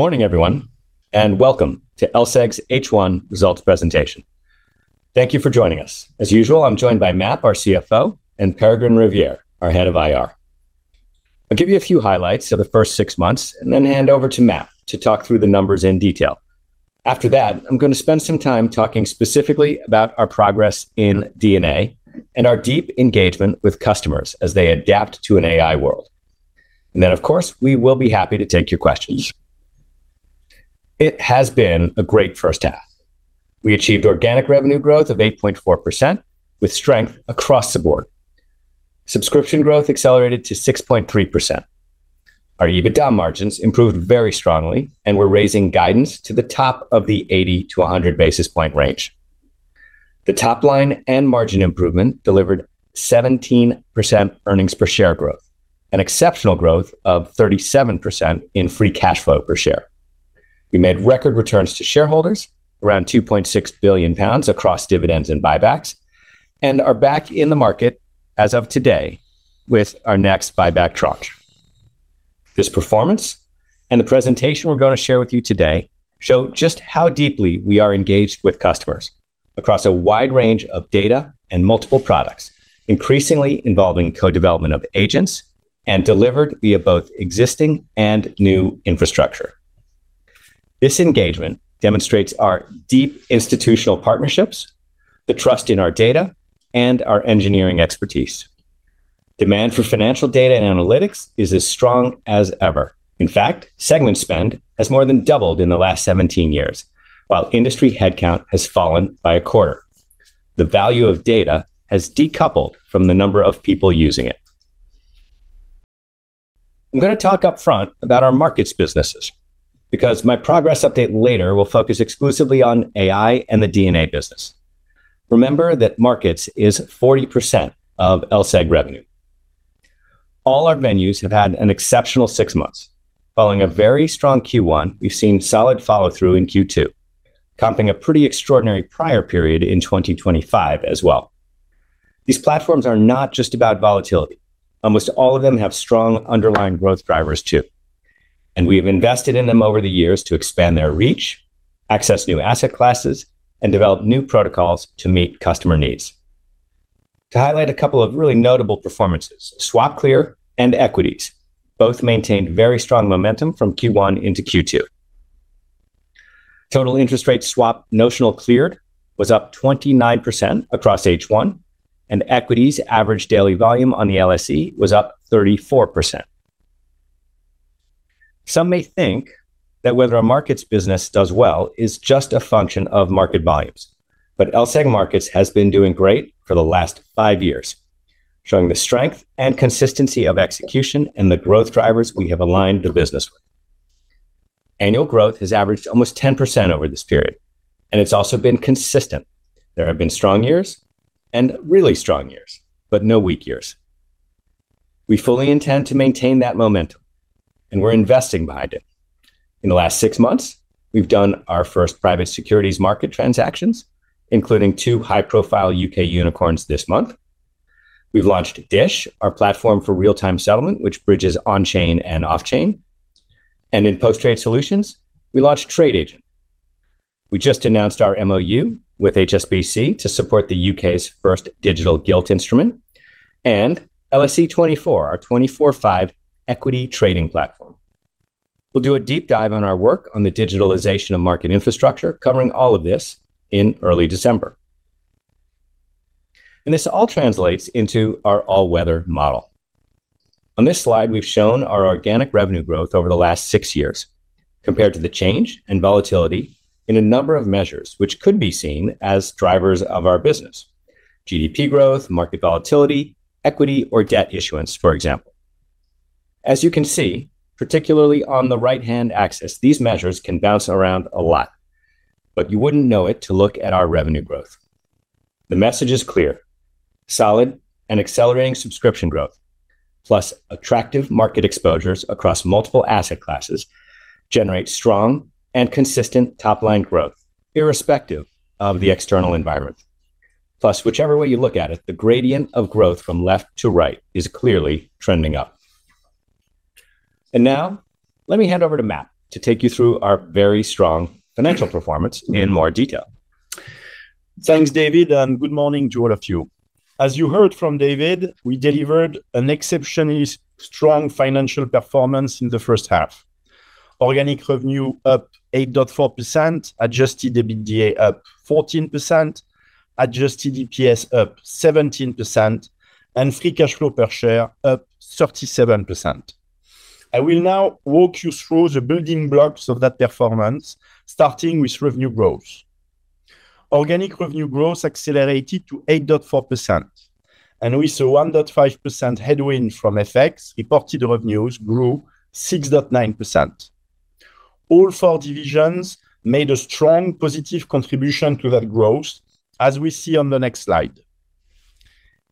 Morning, everyone, welcome to LSEG's H1 results presentation. Thank you for joining us. As usual, I'm joined by MAP, our CFO, and Peregrine Rivière, our head of IR. I'll give you a few highlights of the first six months and then hand over to MAP to talk through the numbers in detail. After that, I'm going to spend some time talking specifically about our progress in D&A and our deep engagement with customers as they adapt to an AI world. Of course, we will be happy to take your questions. It has been a great first half. We achieved organic revenue growth of 8.4% with strength across the board. Subscription growth accelerated to 6.3%. Our EBITDA margins improved very strongly, and we're raising guidance to the top of the 80-100 basis point range. The top line and margin improvement delivered 17% earnings per share growth, an exceptional growth of 37% in free cash flow per share. We made record returns to shareholders, around 2.6 billion pounds across dividends and buybacks, are back in the market as of today with our next buyback tranche. This performance and the presentation we're going to share with you today show just how deeply we are engaged with customers across a wide range of data and multiple products, increasingly involving co-development of agents and delivered via both existing and new infrastructure. This engagement demonstrates our deep institutional partnerships, the trust in our data, and our engineering expertise. Demand for financial data and analytics is as strong as ever. In fact, segment spend has more than doubled in the last 17 years, while industry headcount has fallen by a quarter. The value of data has decoupled from the number of people using it. I'm going to talk upfront about our markets businesses because my progress update later will focus exclusively on AI and the D&A business. Remember that markets is 40% of LSEG revenue. All our venues have had an exceptional six months. Following a very strong Q1, we've seen solid follow-through in Q2, comping a pretty extraordinary prior period in 2025 as well. These platforms are not just about volatility. Almost all of them have strong underlying growth drivers too, and we've invested in them over the years to expand their reach, access new asset classes, and develop new protocols to meet customer needs. To highlight a couple of really notable performances, SwapClear and Equities both maintained very strong momentum from Q1 into Q2. Total interest rate swap notional cleared was up 29% across H1, Equities average daily volume on the LSE was up 34%. Some may think that whether our markets business does well is just a function of market volumes, but LSEG Markets has been doing great for the last five years, showing the strength and consistency of execution and the growth drivers we have aligned the business with. Annual growth has averaged almost 10% over this period, and it's also been consistent. There have been strong years and really strong years, but no weak years. We fully intend to maintain that momentum, and we're investing behind it. In the last six months, we've done our first private securities market transactions, including two high-profile U.K. unicorns this month. We've launched DiSH, our platform for real-time settlement, which bridges on-chain and off-chain. In post-trade solutions, we launched TradeAgent. We just announced our MoU with HSBC to support the U.K.'s first digital gilt instrument and LSE 24, our 24/5 equity trading platform. We'll do a deep dive on our work on the digitalization of market infrastructure, covering all of this in early December. This all translates into our all-weather model. On this slide, we've shown our organic revenue growth over the last six years compared to the change and volatility in a number of measures, which could be seen as drivers of our business, GDP growth, market volatility, equity or debt issuance, for example. As you can see, particularly on the right-hand axis, these measures can bounce around a lot, but you wouldn't know it to look at our revenue growth. The message is clear. Solid and accelerating subscription growth, plus attractive market exposures across multiple asset classes generate strong and consistent top-line growth irrespective of the external environment. Whichever way you look at it, the gradient of growth from left to right is clearly trending up. Now let me hand over to MAP to take you through our very strong financial performance in more detail. Thanks, David, and good morning to all of you. As you heard from David, we delivered an exceptionally strong financial performance in the first half. Organic revenue up 8.4%, adjusted EBITDA up 14%, adjusted EPS up 17%, and free cash flow per share up 37%. I will now walk you through the building blocks of that performance, starting with revenue growth. Organic revenue growth accelerated to 8.4%, and with a 1.5% headwind from FX, reported revenues grew 6.9%. All four divisions made a strong positive contribution to that growth, as we see on the next slide.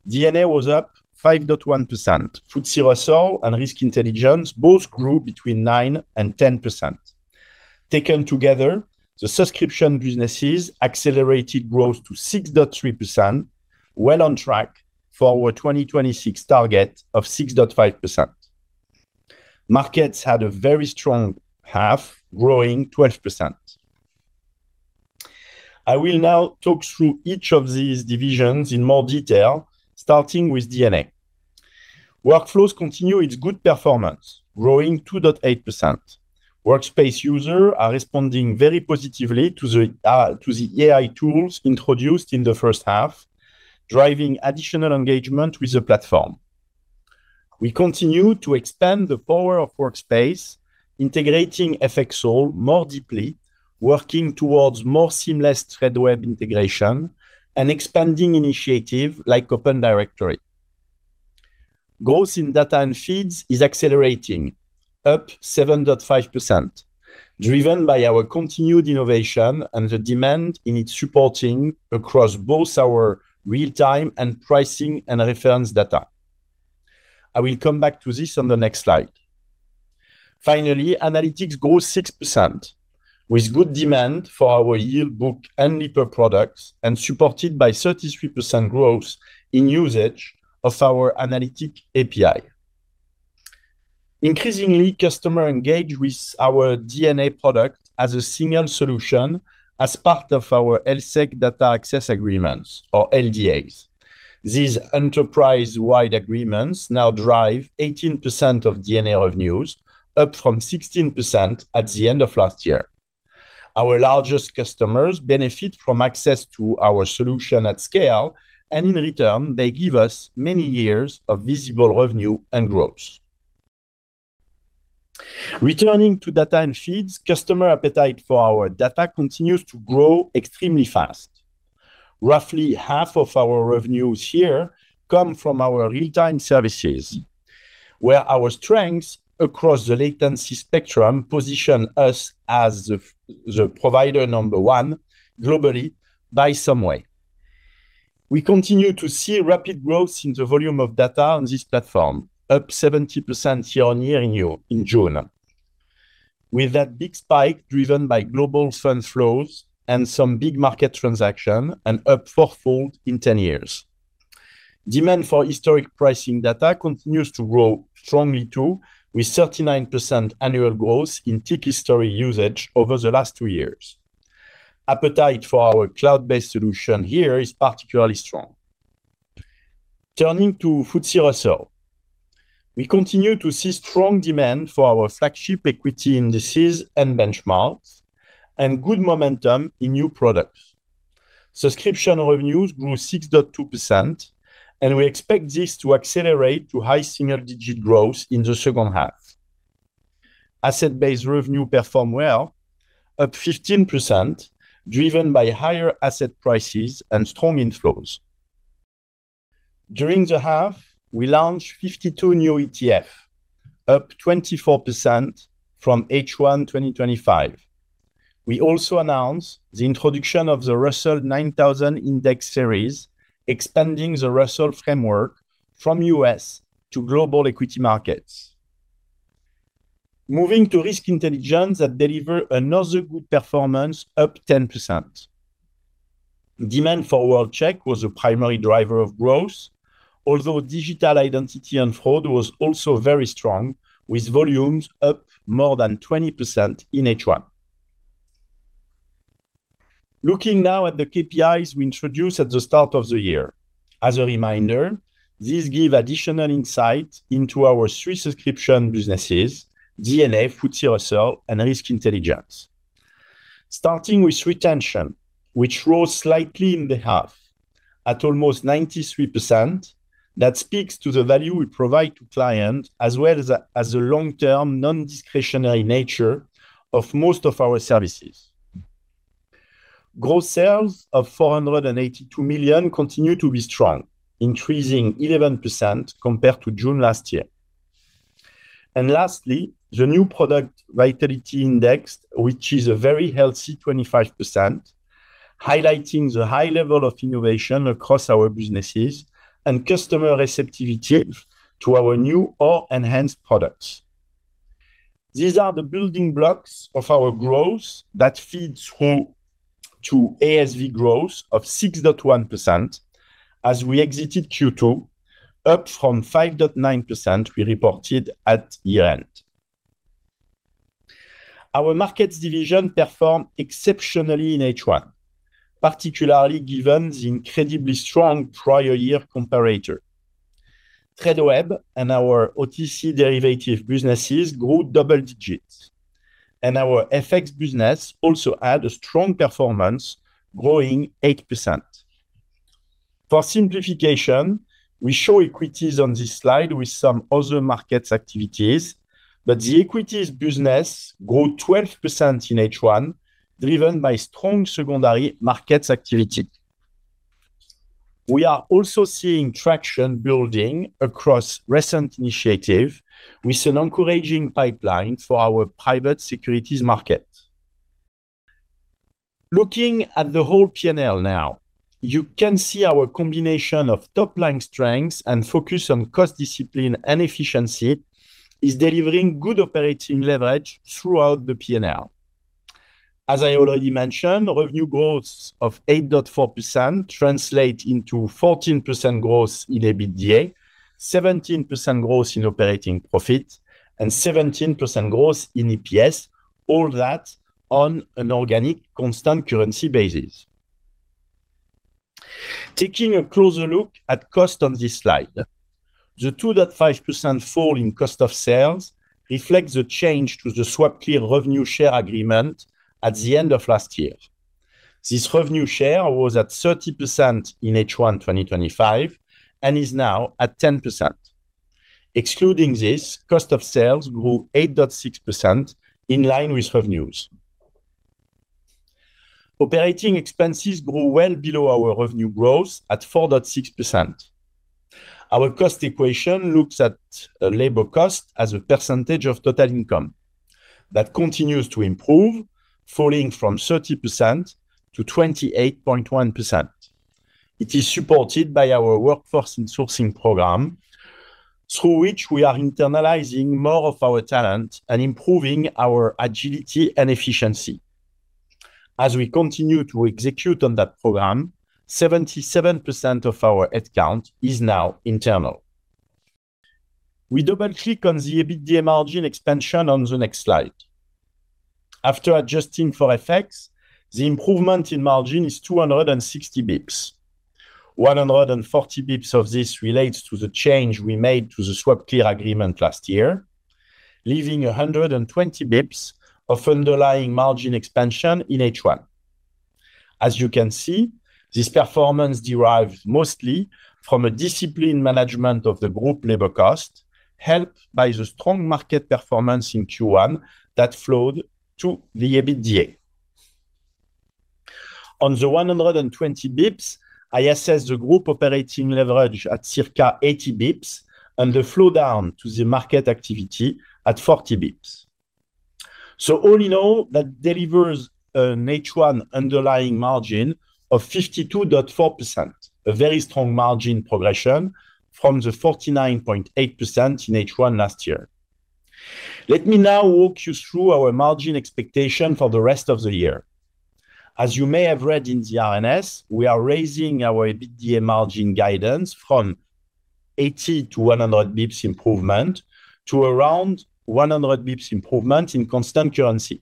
DNA was up 5.1%. FTSE Russell and Risk Intelligence both grew between 9% and 10%. Taken together, the subscription businesses accelerated growth to 6.3%. Well on track for our 2026 target of 6.5%. Markets had a very strong half, growing 12%. I will now talk through each of these divisions in more detail, starting with DNA. Workflows continue its good performance, growing 2.8%. Workspace users are responding very positively to the AI tools introduced in the first half, driving additional engagement with the platform. We continue to expand the power of Workspace, integrating FXall more deeply, working towards more seamless Tradeweb integration, and expanding initiatives like Open Directory. Growth in data and feeds is accelerating, up 7.5%, driven by our continued innovation and the demand in its supporting across both our real-time and pricing and reference data. I will come back to this on the next slide. Finally, analytics grew 6%, with good demand for our Yearbook and LEAP products, and supported by 33% growth in usage of our analytic API. Increasingly, customers engage with our DNA product as a single solution as part of our LSEG Data Access Agreements, or LDAs. These enterprise-wide agreements now drive 18% of DNA revenues, up from 16% at the end of last year. Our largest customers benefit from access to our solution at scale, and in return, they give us many years of visible revenue and growth. Returning to data and feeds, customer appetite for our data continues to grow extremely fast. Roughly half of our revenues here come from our real-time services, where our strengths across the latency spectrum position us as the provider number one globally by some way. We continue to see rapid growth in the volume of data on this platform, up 70% year-on-year in June, with that big spike driven by global fund flows and some big market transaction and up fourfold in 10 years. Demand for historic pricing data continues to grow strongly too, with 39% annual growth in Tick History usage over the last two years. Appetite for our cloud-based solution here is particularly strong. Turning to FTSE Russell. We continue to see strong demand for our flagship equity indices and benchmarks, and good momentum in new products. Subscription revenues grew 6.2%, and we expect this to accelerate to high single-digit growth in the second half. Asset-based revenue performed well, up 15%, driven by higher asset prices and strong inflows. During the half, we launched 52 new ETF, up 24% from H1 2025. We also announced the introduction of the Russell 9000 index series, expanding the Russell framework from U.S. to global equity markets. Moving to Risk Intelligence that delivered another good performance, up 10%. Demand for World-Check was the primary driver of growth, although digital identity and fraud was also very strong, with volumes up more than 20% in H1. Looking now at the KPIs we introduced at the start of the year. As a reminder, these give additional insight into our three subscription businesses, DNA, FTSE Russell, and Risk Intelligence. Starting with retention, which rose slightly in the half at almost 93%. That speaks to the value we provide to clients, as well as the long-term non-discretionary nature of most of our services. Gross sales of 482 million continue to be strong, increasing 11% compared to June last year. Lastly, the New Product Vitality Index, which is a very healthy 25%, highlighting the high level of innovation across our businesses and customer receptivity to our new or enhanced products. These are the building blocks of our growth that feeds through to ASV growth of 6.1% as we exited Q2, up from 5.9% we reported at year-end. Our markets division performed exceptionally in H1, particularly given the incredibly strong prior year comparator. Tradeweb and our OTC derivative businesses grew double digits, and our FX business also had a strong performance, growing 8%. For simplification, we show equities on this slide with some other markets activities, but the equities business grew 12% in H1, driven by strong secondary markets activity. We are also seeing traction building across recent initiatives, with an encouraging pipeline for our Private Securities Market. Looking at the whole P&L now, you can see our combination of top-line strengths and focus on cost discipline and efficiency is delivering good operating leverage throughout the P&L. As I already mentioned, revenue growth of 8.4% translate into 14% growth in EBITDA, 17% growth in operating profit, and 17% growth in EPS, all that on an organic constant currency basis. Taking a closer look at cost on this slide. The 2.5% fall in cost of sales reflects the change to the SwapClear revenue share agreement at the end of last year. This revenue share was at 30% in H1 2025, and is now at 10%. Excluding this, cost of sales grew 8.6%, in line with revenues. Operating expenses grew well below our revenue growth at 4.6%. Our cost equation looks at labor cost as a percentage of total income. That continues to improve, falling from 30% to 28.1%. It is supported by our workforce and sourcing program, through which we are internalizing more of our talent and improving our agility and efficiency. As we continue to execute on that program, 77% of our head count is now internal. We double-click on the EBITDA margin expansion on the next slide. After adjusting for effects, the improvement in margin is 260 basis points. 140 basis points of this relates to the change we made to the SwapClear agreement last year, leaving 120 basis points of underlying margin expansion in H1. As you can see, this performance derives mostly from a disciplined management of the group labor cost, helped by the strong market performance in Q1 that flowed to the EBITDA. On the 120 basis points, I assess the group operating leverage at circa 80 basis points, and the flow down to the market activity at 40 basis points. All in all, that delivers an H1 underlying margin of 52.4%, a very strong margin progression from the 49.8% in H1 last year. Let me now walk you through our margin expectation for the rest of the year. As you may have read in the RNS, we are raising our EBITDA margin guidance from 80 basis points to 100 basis points improvement to around 100 basis points improvement in constant currency.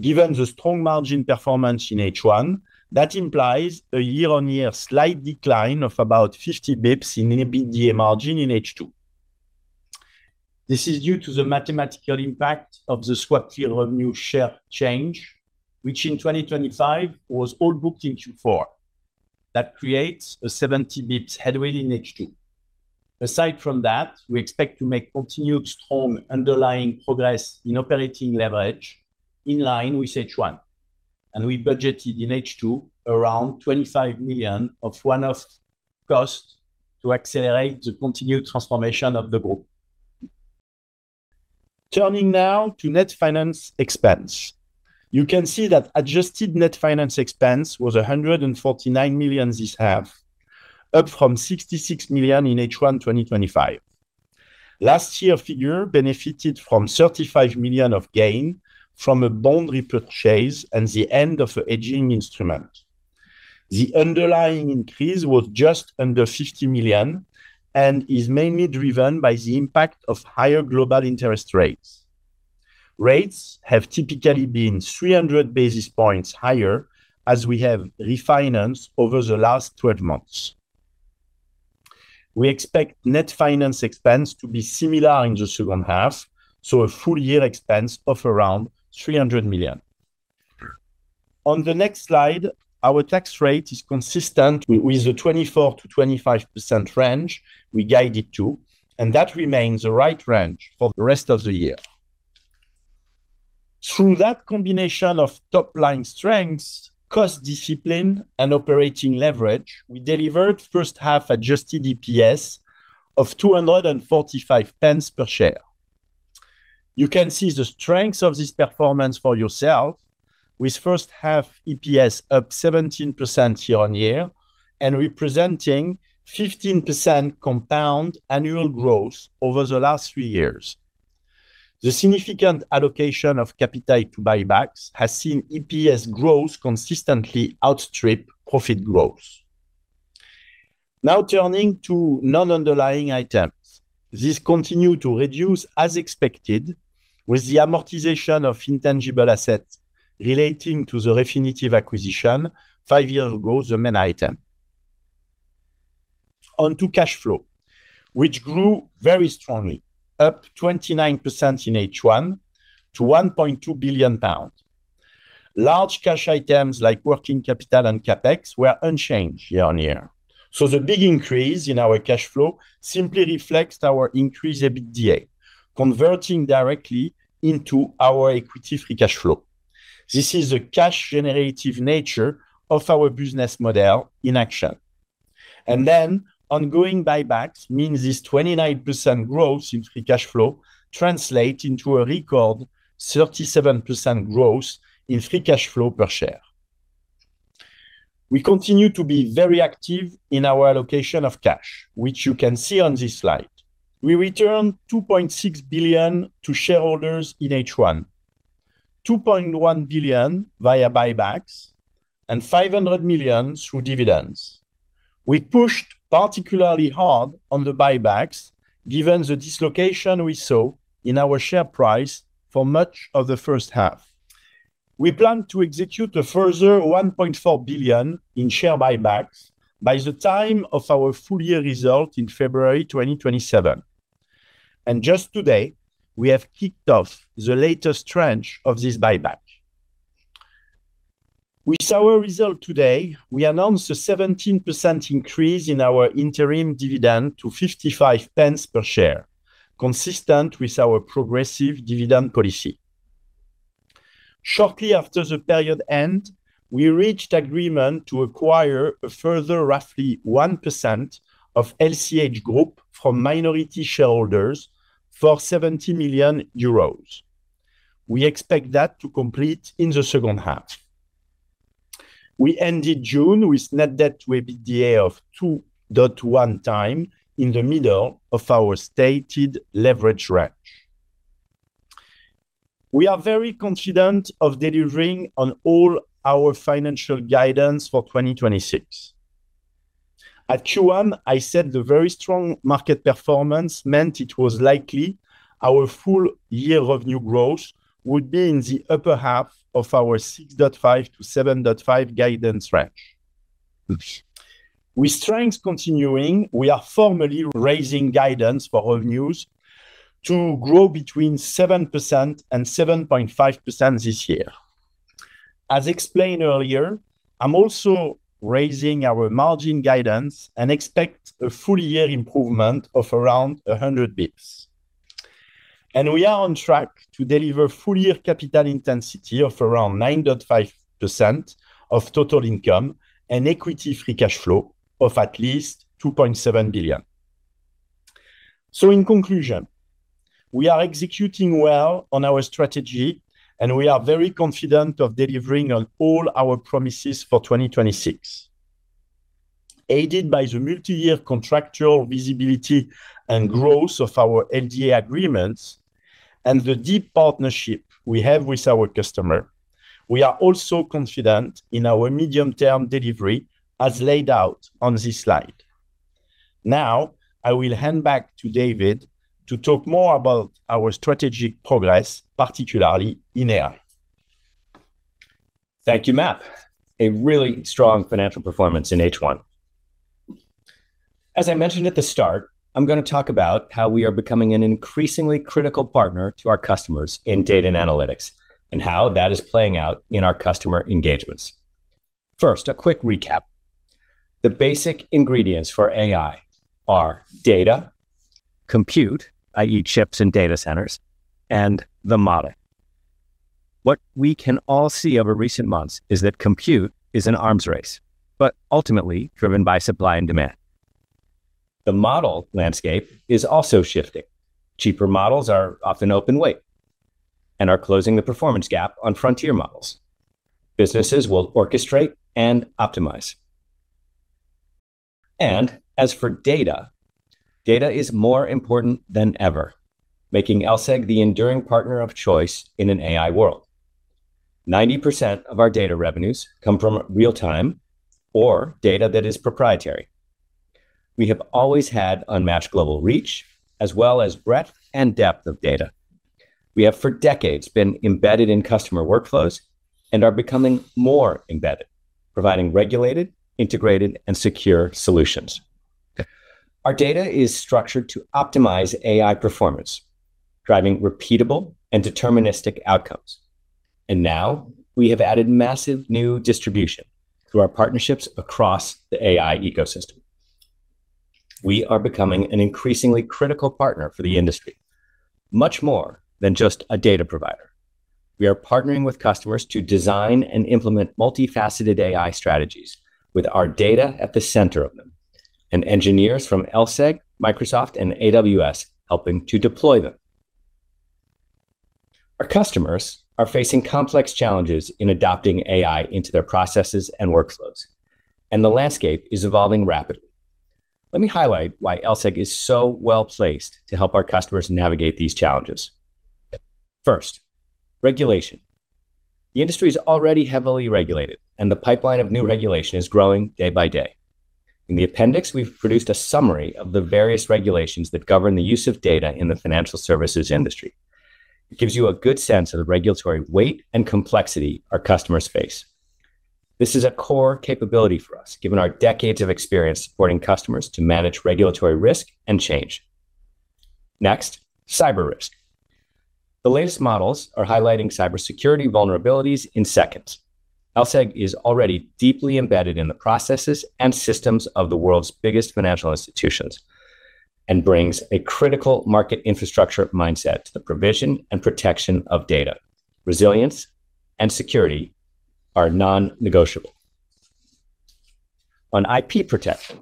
Given the strong margin performance in H1, that implies a year-on-year slight decline of about 50 basis points in EBITDA margin in H2. This is due to the mathematical impact of the SwapClear revenue share change, which in 2025 was all booked in Q4. That creates a 70 basis points headwind in H2. Aside from that, we expect to make continued strong underlying progress in operating leverage in line with H1, and we budgeted in H2 around 25 million of one-off costs to accelerate the continued transformation of the group. Turning now to net finance expense. You can see that adjusted net finance expense was 149 million this half, up from 66 million in H1 2025. Last year figure benefited from 35 million of gain from a bond repurchase and the end of a hedging instrument. The underlying increase was just under 50 million and is mainly driven by the impact of higher global interest rates. Rates have typically been 300 basis points higher as we have refinanced over the last 12 months. We expect net finance expense to be similar in the second half, so a full year expense of around 300 million. On the next slide, our tax rate is consistent with the 24%-25% range we guided to, and that remains the right range for the rest of the year. Through that combination of top-line strengths, cost discipline, and operating leverage, we delivered first half adjusted EPS of 2.45 per share. You can see the strength of this performance for yourself with first half EPS up 17% year-on-year and representing 15% compound annual growth over the last three years. The significant allocation of capital to buybacks has seen EPS growth consistently outstrip profit growth. Turning to non-underlying items. These continue to reduce as expected with the amortization of intangible assets relating to the Refinitiv acquisition five years ago, the main item. On to cash flow, which grew very strongly, up 29% in H1 to 1.2 billion pounds. Large cash items like working capital and CapEx were unchanged year-on-year. The big increase in our cash flow simply reflects our increased EBITDA, converting directly into our equity free cash flow. This is a cash generative nature of our business model in action. Ongoing buybacks means this 29% growth in free cash flow translate into a record 37% growth in free cash flow per share. We continue to be very active in our allocation of cash, which you can see on this slide. We returned 2.6 billion to shareholders in H1, 2.1 billion via buybacks, and 500 million through dividends. We pushed particularly hard on the buybacks given the dislocation we saw in our share price for much of the first half. We plan to execute a further 1.4 billion in share buybacks by the time of our full year result in February 2027. Just today, we have kicked off the latest tranche of this buyback. With our result today, we announced a 17% increase in our interim dividend to 0.55 per share, consistent with our progressive dividend policy. Shortly after the period end, we reached agreement to acquire a further roughly 1% of LCH Group from minority shareholders for 70 million euros. We expect that to complete in the second half. We ended June with net debt to EBITDA of 2.1 times in the middle of our stated leverage range. We are very confident of delivering on all our financial guidance for 2026. At Q1, I said the very strong market performance meant it was likely our full year revenue growth would be in the upper half of our 6.5%-7.5% guidance range. With strength continuing, we are formally raising guidance for revenues to grow between 7% and 7.5% this year. As explained earlier, I am also raising our margin guidance and expect a full year improvement of around 100 basis points. We are on track to deliver full year capital intensity of around 9.5% of total income and equity free cash flow of at least 2.7 billion. In conclusion, we are executing well on our strategy, and we are very confident of delivering on all our promises for 2026. Aided by the multi-year contractual visibility and growth of our LDA agreements and the deep partnership we have with our customer, we are also confident in our medium-term delivery as laid out on this slide. I will hand back to David to talk more about our strategic progress, particularly in AI. Thank you, MAP. A really strong financial performance in H1. As I mentioned at the start, I'm going to talk about how we are becoming an increasingly critical partner to our customers in Data & Analytics, and how that is playing out in our customer engagements. First, a quick recap. The basic ingredients for AI are data, compute, i.e. chips and data centers, and the model. What we can all see over recent months is that compute is an arms race, but ultimately driven by supply and demand. The model landscape is also shifting. Cheaper models are often open weight and are closing the performance gap on frontier models. Businesses will orchestrate and optimize. As for data is more important than ever, making LSEG the enduring partner of choice in an AI world. 90% of our data revenues come from real time or data that is proprietary. We have always had unmatched global reach, as well as breadth and depth of data. We have for decades been embedded in customer workflows and are becoming more embedded, providing regulated, integrated, and secure solutions. Our data is structured to optimize AI performance, driving repeatable and deterministic outcomes. Now we have added massive new distribution through our partnerships across the AI ecosystem. We are becoming an increasingly critical partner for the industry, much more than just a data provider. We are partnering with customers to design and implement multifaceted AI strategies with our data at the center of them, and engineers from LSEG, Microsoft, and AWS helping to deploy them. Our customers are facing complex challenges in adopting AI into their processes and workflows, and the landscape is evolving rapidly. Let me highlight why LSEG is so well-placed to help our customers navigate these challenges. First, regulation. The industry is already heavily regulated, and the pipeline of new regulation is growing day by day. In the appendix, we've produced a summary of the various regulations that govern the use of data in the financial services industry. It gives you a good sense of the regulatory weight and complexity our customers face. This is a core capability for us, given our decades of experience supporting customers to manage regulatory risk and change. Next, cyber risk. The latest models are highlighting cybersecurity vulnerabilities in seconds. LSEG is already deeply embedded in the processes and systems of the world's biggest financial institutions and brings a critical market infrastructure mindset to the provision and protection of data. Resilience and security are non-negotiable. On IP protection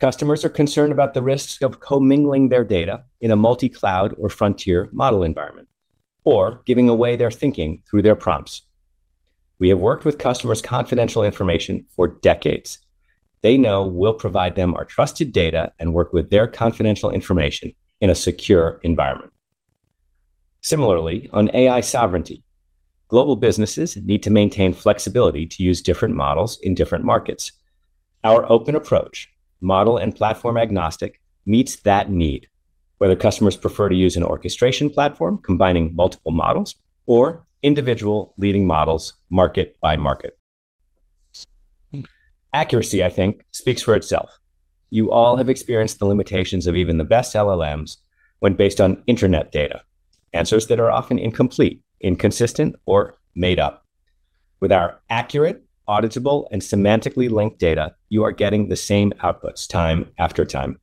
Customers are concerned about the risks of commingling their data in a multi-cloud or frontier model environment, or giving away their thinking through their prompts. We have worked with customers' confidential information for decades. They know we'll provide them our trusted data and work with their confidential information in a secure environment. Similarly, on AI sovereignty, global businesses need to maintain flexibility to use different models in different markets. Our open approach, model and platform-agnostic, meets that need, whether customers prefer to use an orchestration platform combining multiple models or individual leading models market by market. Accuracy, I think, speaks for itself. You all have experienced the limitations of even the best LLMs when based on internet data. Answers that are often incomplete, inconsistent, or made up. With our accurate, auditable and semantically linked data, you are getting the same outputs time after time.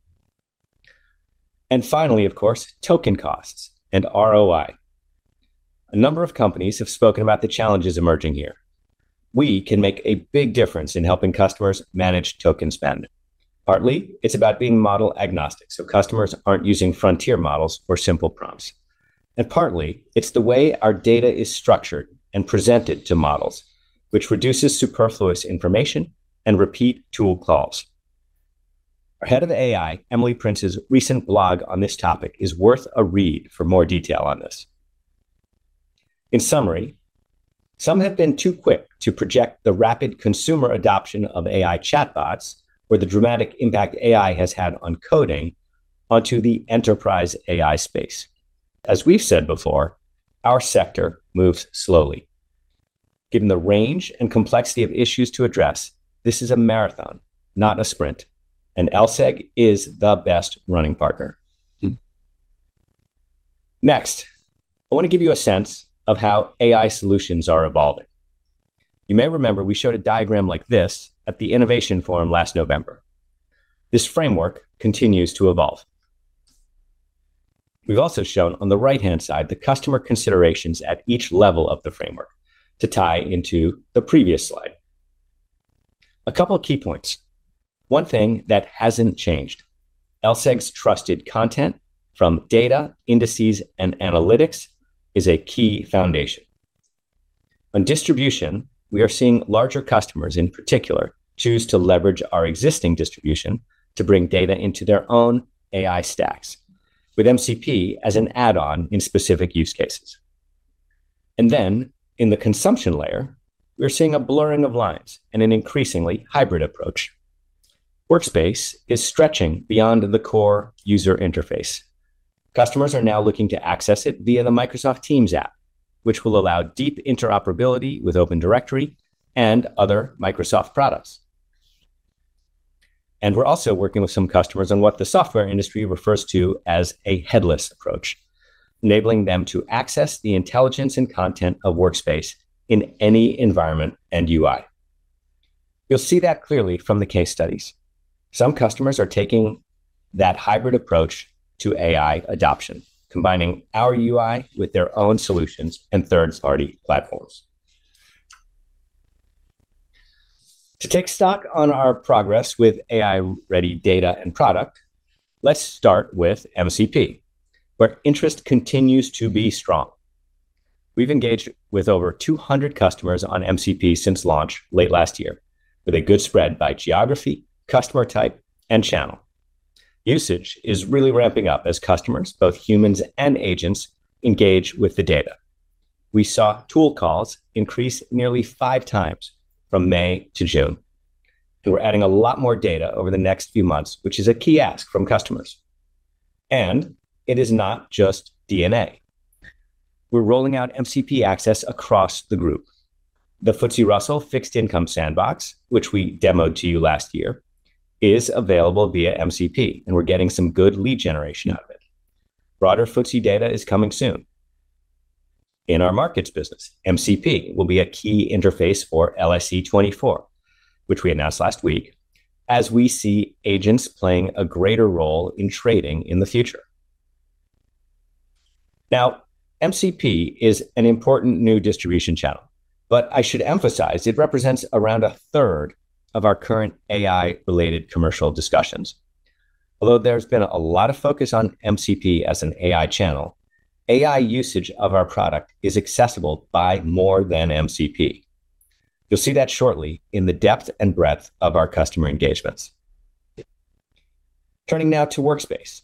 Finally, of course, token costs and ROI. A number of companies have spoken about the challenges emerging here. We can make a big difference in helping customers manage token spend. Partly, it's about being model agnostic, so customers aren't using frontier models or simple prompts. Partly, it's the way our data is structured and presented to models, which reduces superfluous information and repeat tool calls. Our Head of AI, Emily Prince's recent blog on this topic is worth a read for more detail on this. In summary, some have been too quick to project the rapid consumer adoption of AI chatbots or the dramatic impact AI has had on coding onto the enterprise AI space. As we've said before, our sector moves slowly. Given the range and complexity of issues to address, this is a marathon, not a sprint, and LSEG is the best running partner. Next, I want to give you a sense of how AI solutions are evolving. You may remember we showed a diagram like this at the Innovation Forum last November. This framework continues to evolve. We've also shown on the right-hand side the customer considerations at each level of the framework to tie into the previous slide. A couple of key points. One thing that hasn't changed, LSEG's trusted content from data, indices, and analytics is a key foundation. On distribution, we are seeing larger customers, in particular, choose to leverage our existing distribution to bring data into their own AI stacks, with MCP as an add-on in specific use cases. In the consumption layer, we're seeing a blurring of lines and an increasingly hybrid approach. Workspace is stretching beyond the core user interface. Customers are now looking to access it via the Microsoft Teams app, which will allow deep interoperability with Open Directory and other Microsoft products. We're also working with some customers on what the software industry refers to as a headless approach, enabling them to access the intelligence and content of Workspace in any environment and UI. You'll see that clearly from the case studies. Some customers are taking that hybrid approach to AI adoption, combining our UI with their own solutions and third-party platforms. To take stock on our progress with AI-ready data and product, let's start with MCP, where interest continues to be strong. We've engaged with over 200 customers on MCP since launch late last year, with a good spread by geography, customer type, and channel. Usage is really ramping up as customers, both humans and agents, engage with the data. We saw tool calls increase nearly five times from May to June, and we're adding a lot more data over the next few months, which is a key ask from customers. It is not just DNA. We're rolling out MCP access across the Group. The FTSE Russell fixed income sandbox, which we demoed to you last year, is available via MCP, and we're getting some good lead generation out of it. Broader FTSE data is coming soon. In our markets business, MCP will be a key interface for LSE 24, which we announced last week, as we see agents playing a greater role in trading in the future. Now, MCP is an important new distribution channel, but I should emphasize it represents around a third of our current AI-related commercial discussions. Although there's been a lot of focus on MCP as an AI channel, AI usage of our product is accessible by more than MCP. You'll see that shortly in the depth and breadth of our customer engagements. Turning now to Workspace.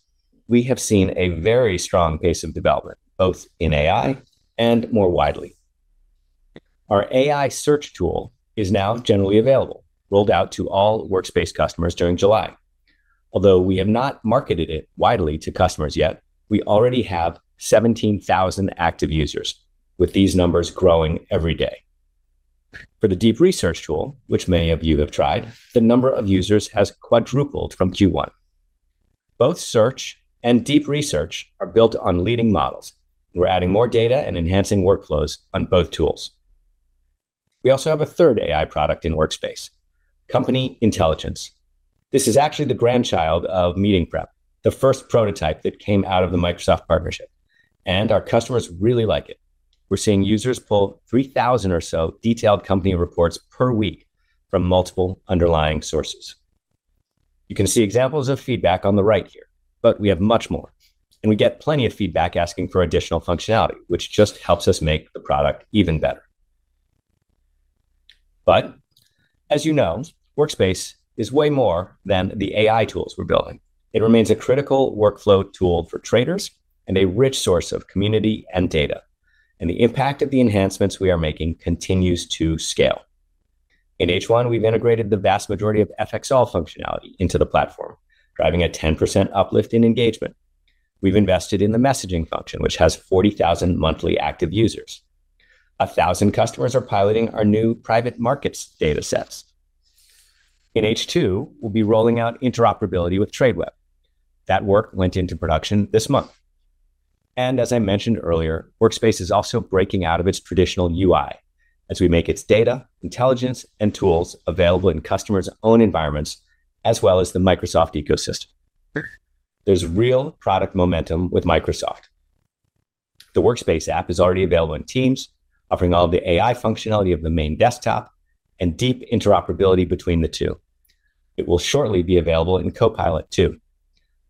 We have seen a very strong pace of development, both in AI and more widely. Our AI search tool is now generally available, rolled out to all Workspace customers during July. Although we have not marketed it widely to customers yet, we already have 17,000 active users, with these numbers growing every day. For the deep research tool, which many of you have tried, the number of users has quadrupled from Q1. Both search and deep research are built on leading models. We're adding more data and enhancing workflows on both tools. We also have a third AI product in Workspace, Company Intelligence. This is actually the grandchild of Meeting Prep, the first prototype that came out of the Microsoft partnership, and our customers really like it. We're seeing users pull 3,000 or so detailed company reports per week from multiple underlying sources. You can see examples of feedback on the right here, but we have much more, and we get plenty of feedback asking for additional functionality, which just helps us make the product even better. As you know, Workspace is way more than the AI tools we're building. It remains a critical workflow tool for traders and a rich source of community and data, and the impact of the enhancements we are making continues to scale. In H1, we've integrated the vast majority of FXall functionality into the platform, driving a 10% uplift in engagement. We've invested in the messaging function, which has 40,000 monthly active users. 1,000 customers are piloting our new private markets data sets. In H2, we'll be rolling out interoperability with Tradeweb. That work went into production this month. As I mentioned earlier, Workspace is also breaking out of its traditional UI as we make its data, intelligence, and tools available in customers' own environments, as well as the Microsoft ecosystem. There's real product momentum with Microsoft. The Workspace app is already available in Teams, offering all the AI functionality of the main desktop and deep interoperability between the two. It will shortly be available in Copilot, too,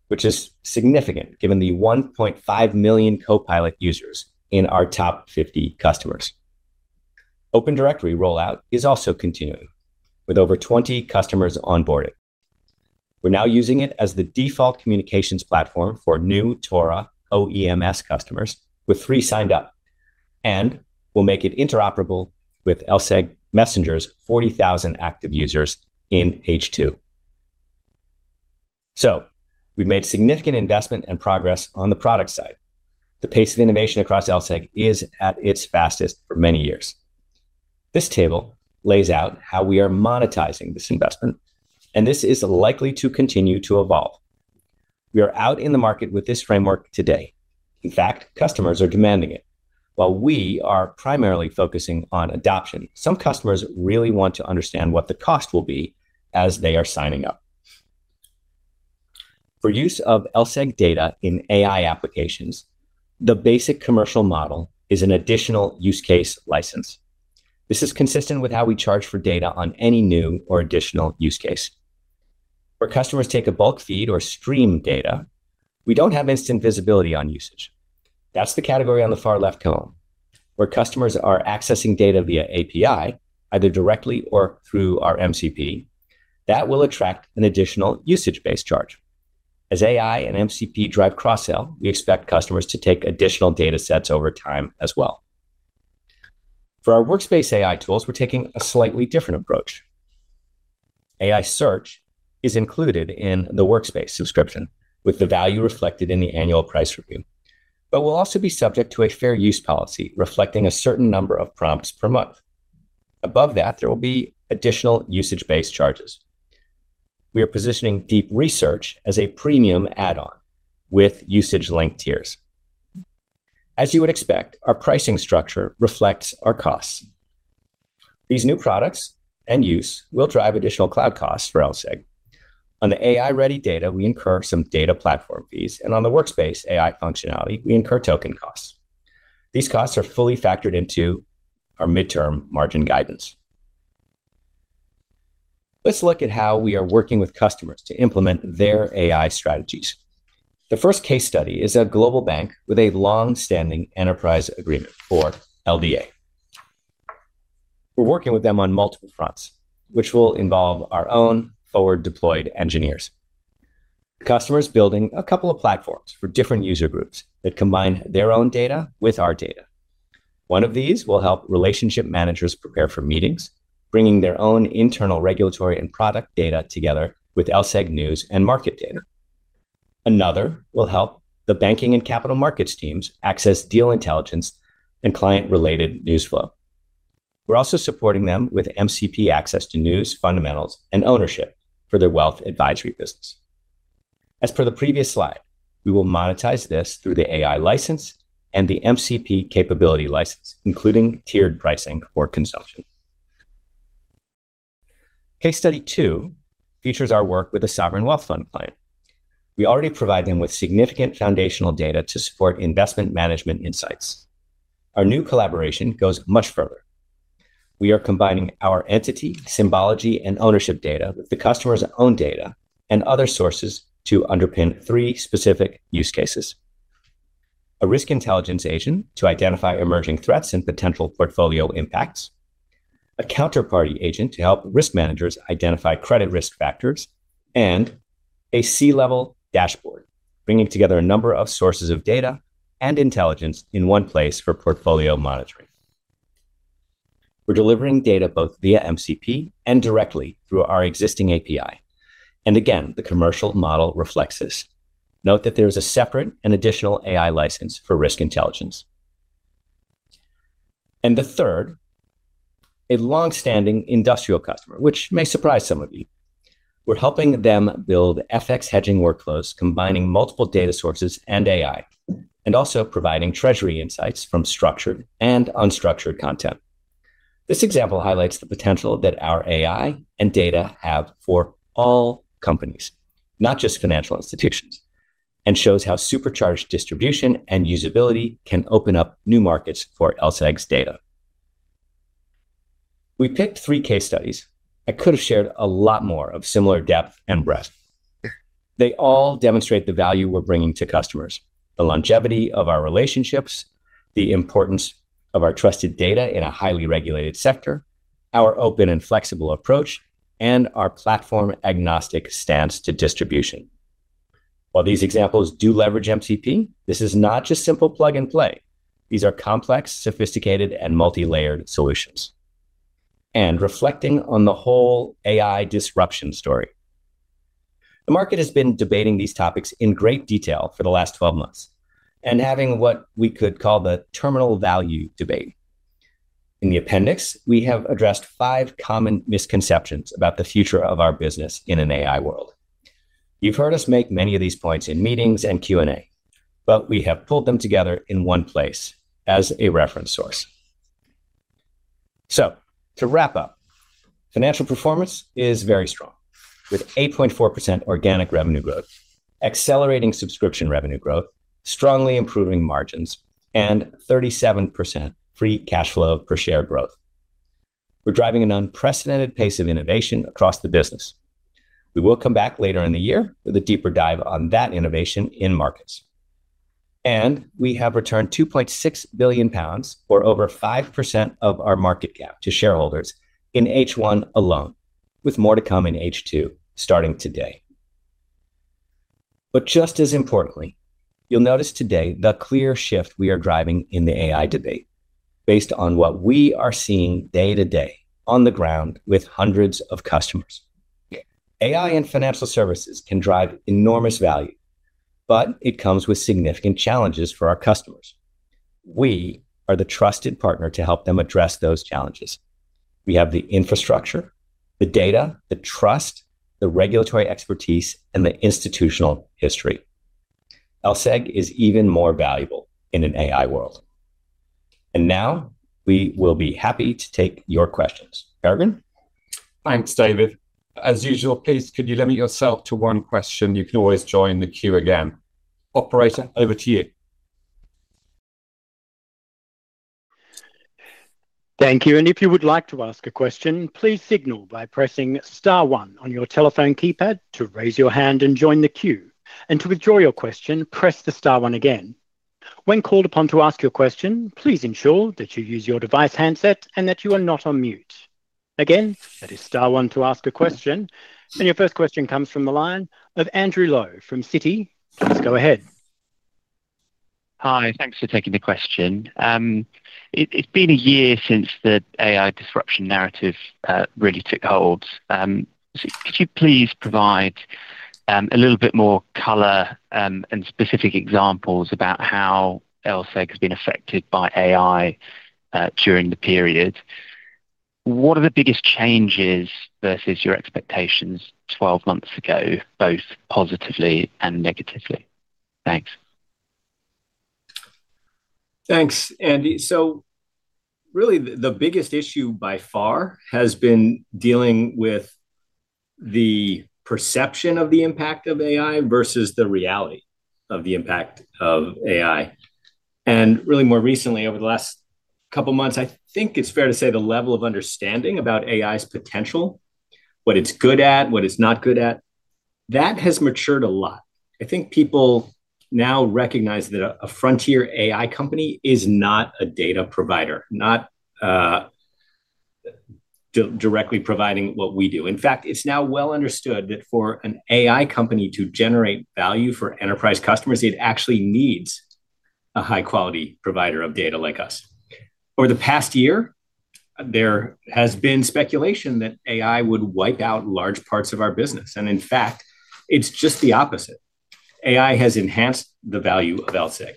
which is significant given the 1.5 million Copilot users in our top 50 customers. Open Directory rollout is also continuing, with over 20 customers onboarded. We're now using it as the default communications platform for new TORA OEMs customers, with three signed up, and we'll make it interoperable with LSEG Messenger's 40,000 active users in H2. We've made significant investment and progress on the product side. The pace of innovation across LSEG is at its fastest for many years. This table lays out how we are monetizing this investment, this is likely to continue to evolve. We are out in the market with this framework today. In fact, customers are demanding it. While we are primarily focusing on adoption, some customers really want to understand what the cost will be as they are signing up. For use of LSEG data in AI applications, the basic commercial model is an additional use case license. This is consistent with how we charge for data on any new or additional use case. Where customers take a bulk feed or stream data, we don't have instant visibility on usage. That's the category on the far left column. Where customers are accessing data via API, either directly or through our MCP, that will attract an additional usage-based charge. As AI and MCP drive cross-sell, we expect customers to take additional data sets over time as well. For our Workspace AI tools, we're taking a slightly different approach. AI search is included in the Workspace subscription, with the value reflected in the annual price review, but will also be subject to a fair use policy reflecting a certain number of prompts per month. Above that, there will be additional usage-based charges. We are positioning deep research as a premium add-on with usage-linked tiers. As you would expect, our pricing structure reflects our costs. These new products and use will drive additional cloud costs for LSEG. On the AI-ready data, we incur some data platform fees, and on the Workspace AI functionality, we incur token costs. These costs are fully factored into our midterm margin guidance. Let's look at how we are working with customers to implement their AI strategies. The first case study is a global bank with a long-standing enterprise agreement, or LDA. We're working with them on multiple fronts, which will involve our own forward-deployed engineers. The customer is building a couple of platforms for different user groups that combine their own data with our data. One of these will help relationship managers prepare for meetings, bringing their own internal regulatory and product data together with LSEG news and market data. Another will help the banking and capital markets teams access deal intelligence and client-related news flow. We're also supporting them with MCP access to news, fundamentals, and ownership for their wealth advisory business. As per the previous slide, we will monetize this through the AI license and the MCP capability license, including tiered pricing for consumption. Case study 2 features our work with a sovereign wealth fund client. We already provide them with significant foundational data to support investment management insights. Our new collaboration goes much further. We are combining our entity, symbology, and ownership data with the customer's own data and other sources to underpin 3 specific use cases: a risk intelligence agent to identify emerging threats and potential portfolio impacts, a counterparty agent to help risk managers identify credit risk factors, and a C-level dashboard bringing together a number of sources of data and intelligence in one place for portfolio monitoring. We're delivering data both via MCP and directly through our existing API. Again, the commercial model reflects this. Note that there is a separate and additional AI license for risk intelligence. The third, a long-standing industrial customer, which may surprise some of you. We're helping them build FX hedging workflows combining multiple data sources and AI, also providing treasury insights from structured and unstructured content. This example highlights the potential that our AI and data have for all companies, not just financial institutions, and shows how supercharged distribution and usability can open up new markets for LSEG's data. We picked three case studies. I could have shared a lot more of similar depth and breadth. They all demonstrate the value we're bringing to customers, the longevity of our relationships, the importance of our trusted data in a highly regulated sector, our open and flexible approach, and our platform-agnostic stance to distribution. While these examples do leverage MCP, this is not just simple plug-and-play. These are complex, sophisticated, and multi-layered solutions. Reflecting on the whole AI disruption story. The market has been debating these topics in great detail for the last 12 months, having what we could call the terminal value debate. In the appendix, we have addressed five common misconceptions about the future of our business in an AI world. You've heard us make many of these points in meetings and Q&A, but we have pulled them together in one place as a reference source. To wrap up, financial performance is very strong, with 8.4% organic revenue growth, accelerating subscription revenue growth, strongly improving margins, and 37% free cash flow per share growth. We're driving an unprecedented pace of innovation across the business. We will come back later in the year with a deeper dive on that innovation in markets. We have returned 2.6 billion pounds, or over 5% of our market cap to shareholders in H1 alone, with more to come in H2 starting today. Just as importantly, you'll notice today the clear shift we are driving in the AI debate based on what we are seeing day to day on the ground with hundreds of customers. AI and financial services can drive enormous value, but it comes with significant challenges for our customers. We are the trusted partner to help them address those challenges. We have the infrastructure, the data, the trust, the regulatory expertise, and the institutional history. LSEG is even more valuable in an AI world. Now we will be happy to take your questions. Peregrine? Thanks, David. As usual, please could you limit yourself to one question? You can always join the queue again. Operator, over to you. Thank you. If you would like to ask a question, please signal by pressing star one on your telephone keypad to raise your hand and join the queue. To withdraw your question, press the star one again. When called upon to ask your question, please ensure that you use your device handset and that you are not on mute. Again, that is star one to ask a question. Your first question comes from the line of Andrew Lowe from Citi. Please go ahead. Hi, thanks for taking the question. It's been a year since the AI disruption narrative really took hold. Could you please provide a little bit more color and specific examples about how LSEG has been affected by AI during the period? What are the biggest changes versus your expectations 12 months ago, both positively and negatively? Thanks. Thanks, Andy. The biggest issue by far has been dealing with the perception of the impact of AI versus the reality of the impact of AI. More recently, over the last couple of months, I think it's fair to say the level of understanding about AI's potential, what it's good at, what it's not good at, that has matured a lot. I think people now recognize that a frontier AI company is not a data provider, not directly providing what we do. In fact, it's now well understood that for an AI company to generate value for enterprise customers, it actually needs a high-quality provider of data like us. Over the past year, there has been speculation that AI would wipe out large parts of our business, and in fact, it's just the opposite. AI has enhanced the value of LSEG.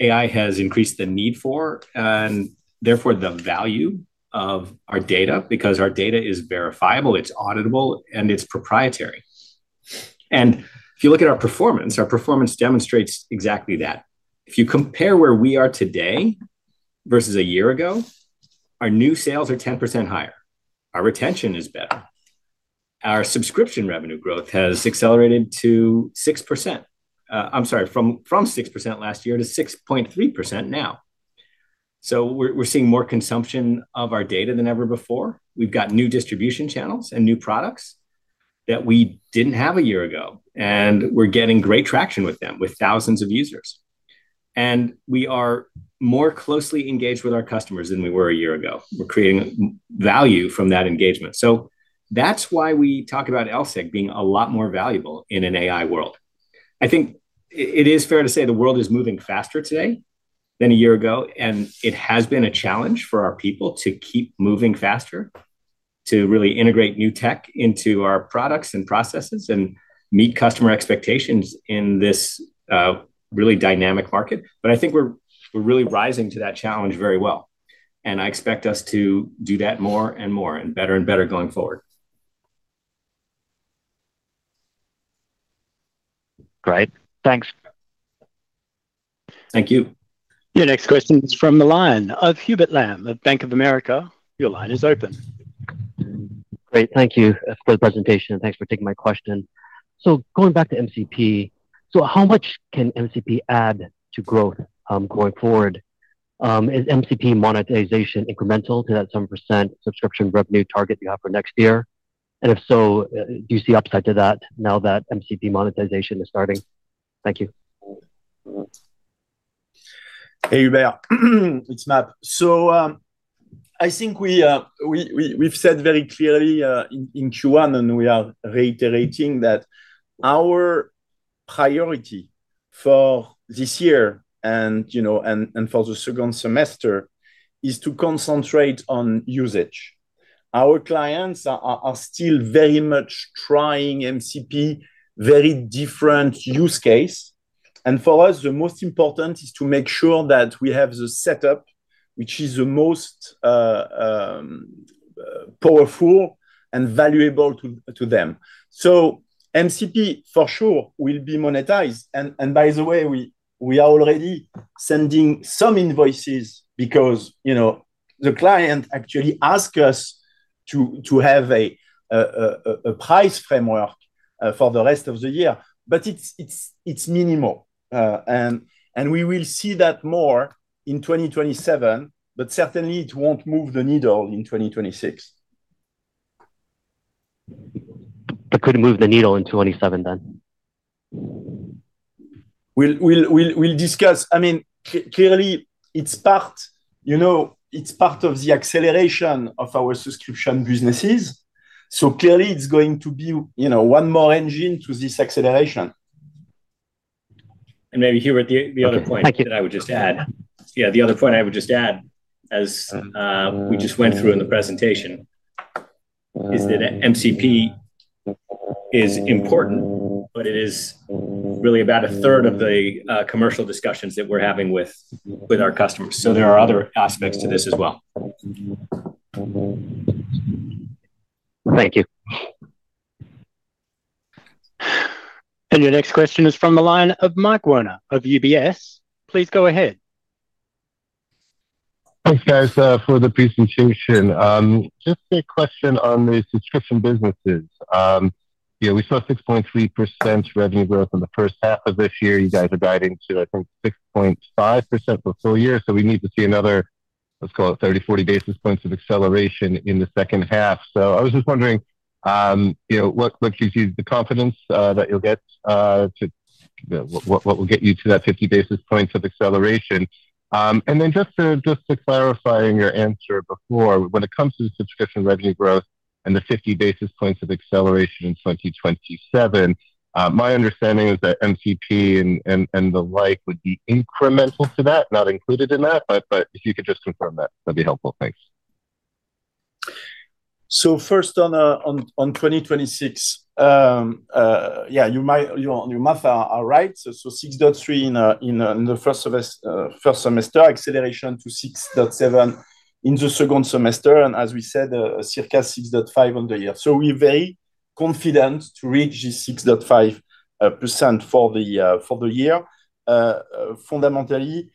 AI has increased the need for, and therefore the value of our data, because our data is verifiable, it's auditable, and it's proprietary. If you look at our performance, our performance demonstrates exactly that. If you compare where we are today versus a year ago, our new sales are 10% higher. Our retention is better. Our subscription revenue growth has accelerated from 6% last year to 6.3% now. We're seeing more consumption of our data than ever before. We've got new distribution channels and new products that we didn't have a year ago, and we're getting great traction with them, with thousands of users. We are more closely engaged with our customers than we were a year ago. We're creating value from that engagement. That's why we talk about LSEG being a lot more valuable in an AI world. I think it is fair to say the world is moving faster today than a year ago, and it has been a challenge for our people to keep moving faster, to really integrate new tech into our products and processes and meet customer expectations in this really dynamic market. I think we're really rising to that challenge very well, and I expect us to do that more and more and better and better going forward. Great. Thanks. Thank you. Your next question is from the line of Hubert Lam at Bank of America. Your line is open. Great. Thanks for taking my question. Going back to MCP, so how much can MCP add to growth going forward? Is MCP monetization incremental to that some percent subscription revenue target you have for next year? If so, do you see upside to that now that MCP monetization is starting? Thank you. Hey, Hubert. It's MAP. I think we've said very clearly in Q1, and we are reiterating, that our priority for this year and for the second semester is to concentrate on usage. Our clients are still very much trying MCP, very different use case. For us, the most important is to make sure that we have the setup which is the most powerful and valuable to them. MCP, for sure, will be monetized. By the way, we are already sending some invoices because the client actually ask us to have a price framework for the rest of the year. It's minimal. We will see that more in 2027, but certainly it won't move the needle in 2026. It could move the needle in 2027 then? We'll discuss. Clearly, it's part of the acceleration of our subscription businesses. Clearly it's going to be one more engine to this acceleration. Maybe, Hubert, the other point. Okay. Thank you. That I would just add. Yeah, the other point I would just add, as we just went through in the presentation, is that MCP is important, but it is really about a third of the commercial discussions that we're having with our customers. There are other aspects to this as well. Thank you. Your next question is from the line of Mike Werner of UBS. Please go ahead. Thanks, guys, for the presentation. Just a question on the subscription businesses. We saw 6.3% revenue growth in the first half of this year. You guys are guiding to, I think, 6.5% for the full year. We need to see another, let's call it 30, 40 basis points of acceleration in the second half. I was just wondering what gives you the confidence that you will get to what will get you to that 50 basis points of acceleration? Just to clarifying your answer before, when it comes to the subscription revenue growth and the 50 basis points of acceleration in 2027, my understanding is that MCP and the like would be incremental to that, not included in that, but if you could just confirm that would be helpful. Thanks. First on 2026, your math are right. 6.3 in the first semester, acceleration to 6.7 in the second semester, and as we said, circa 6.5 on the year. We are very confident to reach this 6.5% for the year fundamentally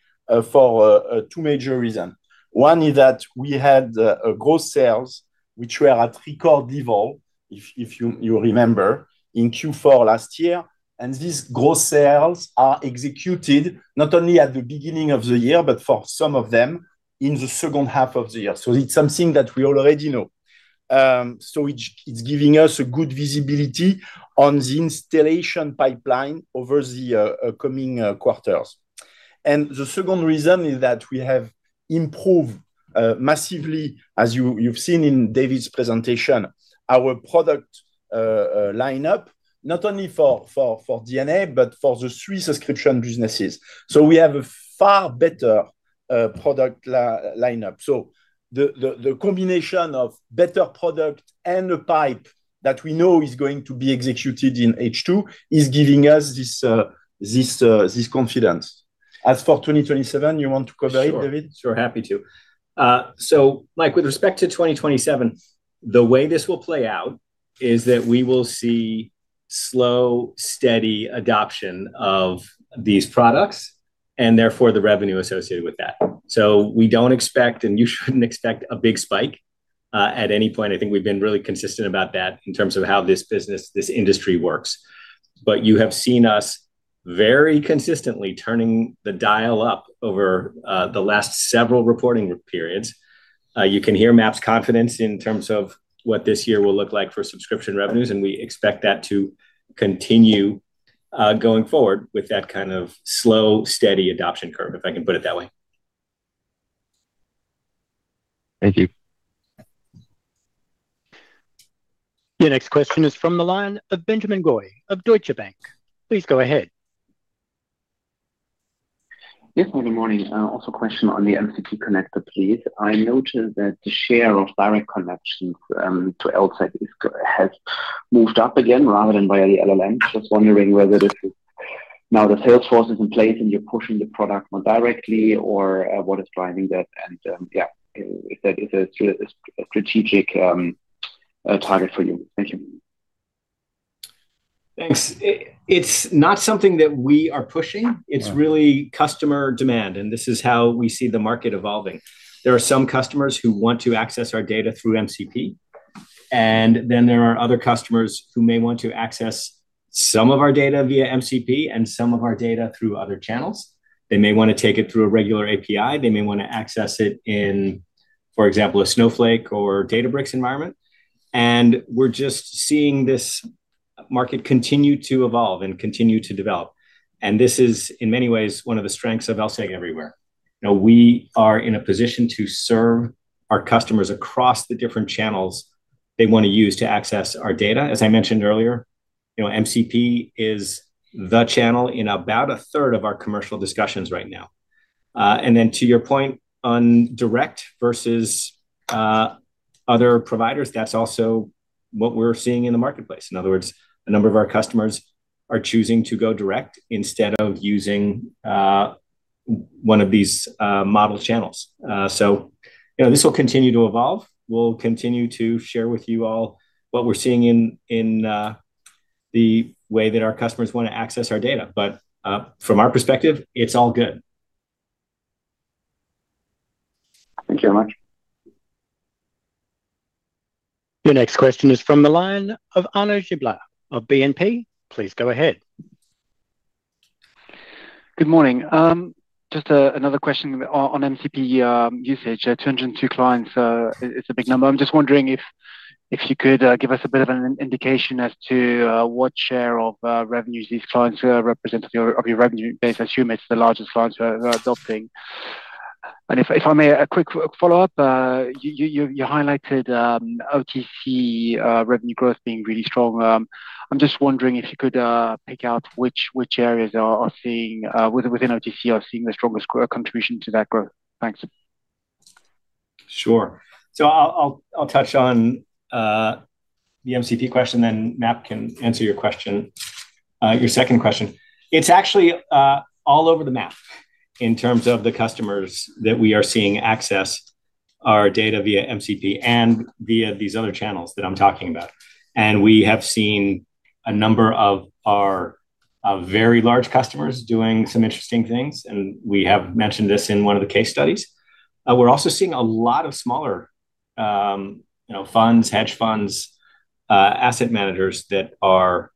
for two major reasons. One is that we had gross sales, which were at record level, if you remember, in Q4 last year. These gross sales are executed not only at the beginning of the year, but for some of them, in the second half of the year. It is something that we already know. It is giving us a good visibility on the installation pipeline over the coming quarters. The second reason is that we have improved massively, as you have seen in David's presentation, our product lineup, not only for DNA, but for the three subscription businesses. We have a far better product lineup. The combination of better product and the pipe that we know is going to be executed in H2 is giving us this confidence. As for 2027, you want to cover it, David? Sure. Sure, happy to. Mike, with respect to 2027, the way this will play out is that we will see slow, steady adoption of these products, and therefore the revenue associated with that. We do not expect, and you should not expect a big spike at any point. I think we have been really consistent about that in terms of how this business, this industry works. You have seen us very consistently turning the dial up over the last several reporting periods. You can hear MAP's confidence in terms of what this year will look like for subscription revenues, and we expect that to continue going forward with that kind of slow, steady adoption curve, if I can put it that way. Thank you. Your next question is from the line of Benjamin Goy of Deutsche Bank. Please go ahead. Yes. Good morning. Also a question on the MCP connector, please. I noted that the share of direct connections to LSEG has moved up again rather than via the LLM. Just wondering whether this is now the sales force is in place and you're pushing the product more directly, or what is driving that, and if that is a strategic target for you. Thank you. Thanks. It's not something that we are pushing. It's really customer demand, this is how we see the market evolving. There are some customers who want to access our data through MCP, then there are other customers who may want to access some of our data via MCP and some of our data through other channels. They may want to take it through a regular API, they may want to access it in, for example, a Snowflake or Databricks environment. We're just seeing this market continue to evolve and continue to develop. This is, in many ways, one of the strengths of LSEG Everywhere. We are in a position to serve our customers across the different channels they want to use to access our data. As I mentioned earlier, MCP is the channel in about a third of our commercial discussions right now. To your point on direct versus other providers, that's also what we're seeing in the marketplace. In other words, a number of our customers are choosing to go direct instead of using one of these model channels. This will continue to evolve. We'll continue to share with you all what we're seeing in the way that our customers want to access our data. From our perspective, it's all good. Thank you very much. Your next question is from the line of Arnaud Giblat of BNP. Please go ahead. Good morning. Just another question on MCP usage. 202 clients is a big number. I'm just wondering if you could give us a bit of an indication as to what share of revenues these clients represent of your revenue base. I assume it's the largest clients who are adopting. If I may, a quick follow-up, you highlighted OTC revenue growth being really strong. I'm just wondering if you could pick out which areas within OTC are seeing the strongest contribution to that growth. Thanks. Sure. I'll touch on the MCP question, then MAP can answer your second question. It's actually all over the map in terms of the customers that we are seeing access our data via MCP and via these other channels that I'm talking about. We have seen a number of our very large customers doing some interesting things, and we have mentioned this in one of the case studies. We're also seeing a lot of smaller funds, hedge funds, asset managers that are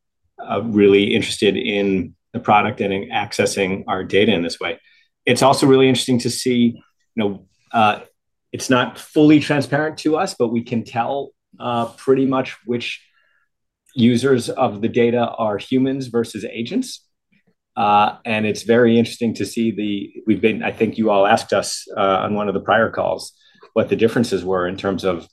really interested in the product and in accessing our data in this way. It's also really interesting to see, it's not fully transparent to us, but we can tell pretty much which users of the data are humans versus agents. It's very interesting to see I think you all asked us on one of the prior calls what the differences were in terms of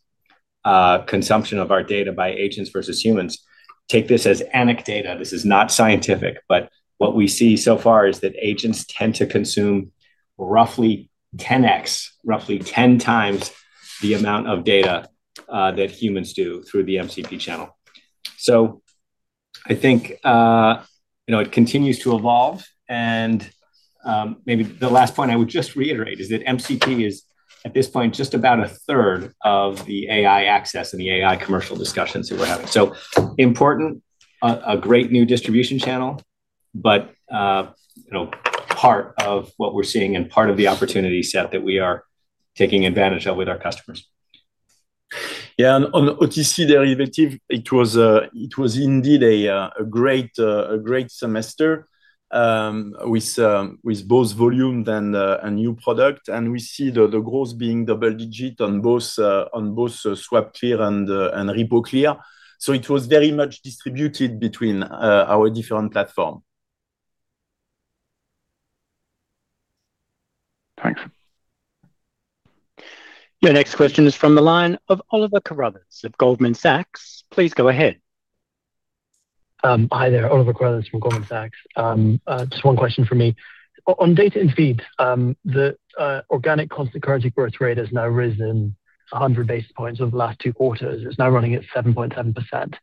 consumption of our data by agents versus humans. Take this as anecdata. This is not scientific, but what we see so far is that agents tend to consume roughly 10 times the amount of data that humans do through the MCP channel. I think it continues to evolve. Maybe the last point I would just reiterate is that MCP is, at this point, just about a third of the AI access and the AI commercial discussions that we're having. Important, a great new distribution channel, but part of what we're seeing and part of the opportunity set that we are taking advantage of with our customers. Yeah, on OTC derivative, it was indeed a great semester with both volume and new product. We see the growth being double-digit on both SwapClear and RepoClear. It was very much distributed between our different platform. Thanks. Your next question is from the line of Oliver Carruthers of Goldman Sachs. Please go ahead. Hi there, Oliver Carruthers from Goldman Sachs. Just one question from me. On Data & Feeds, the organic constant currency growth rate has now risen 100 basis points over the last two quarters. It's now running at 7.7%.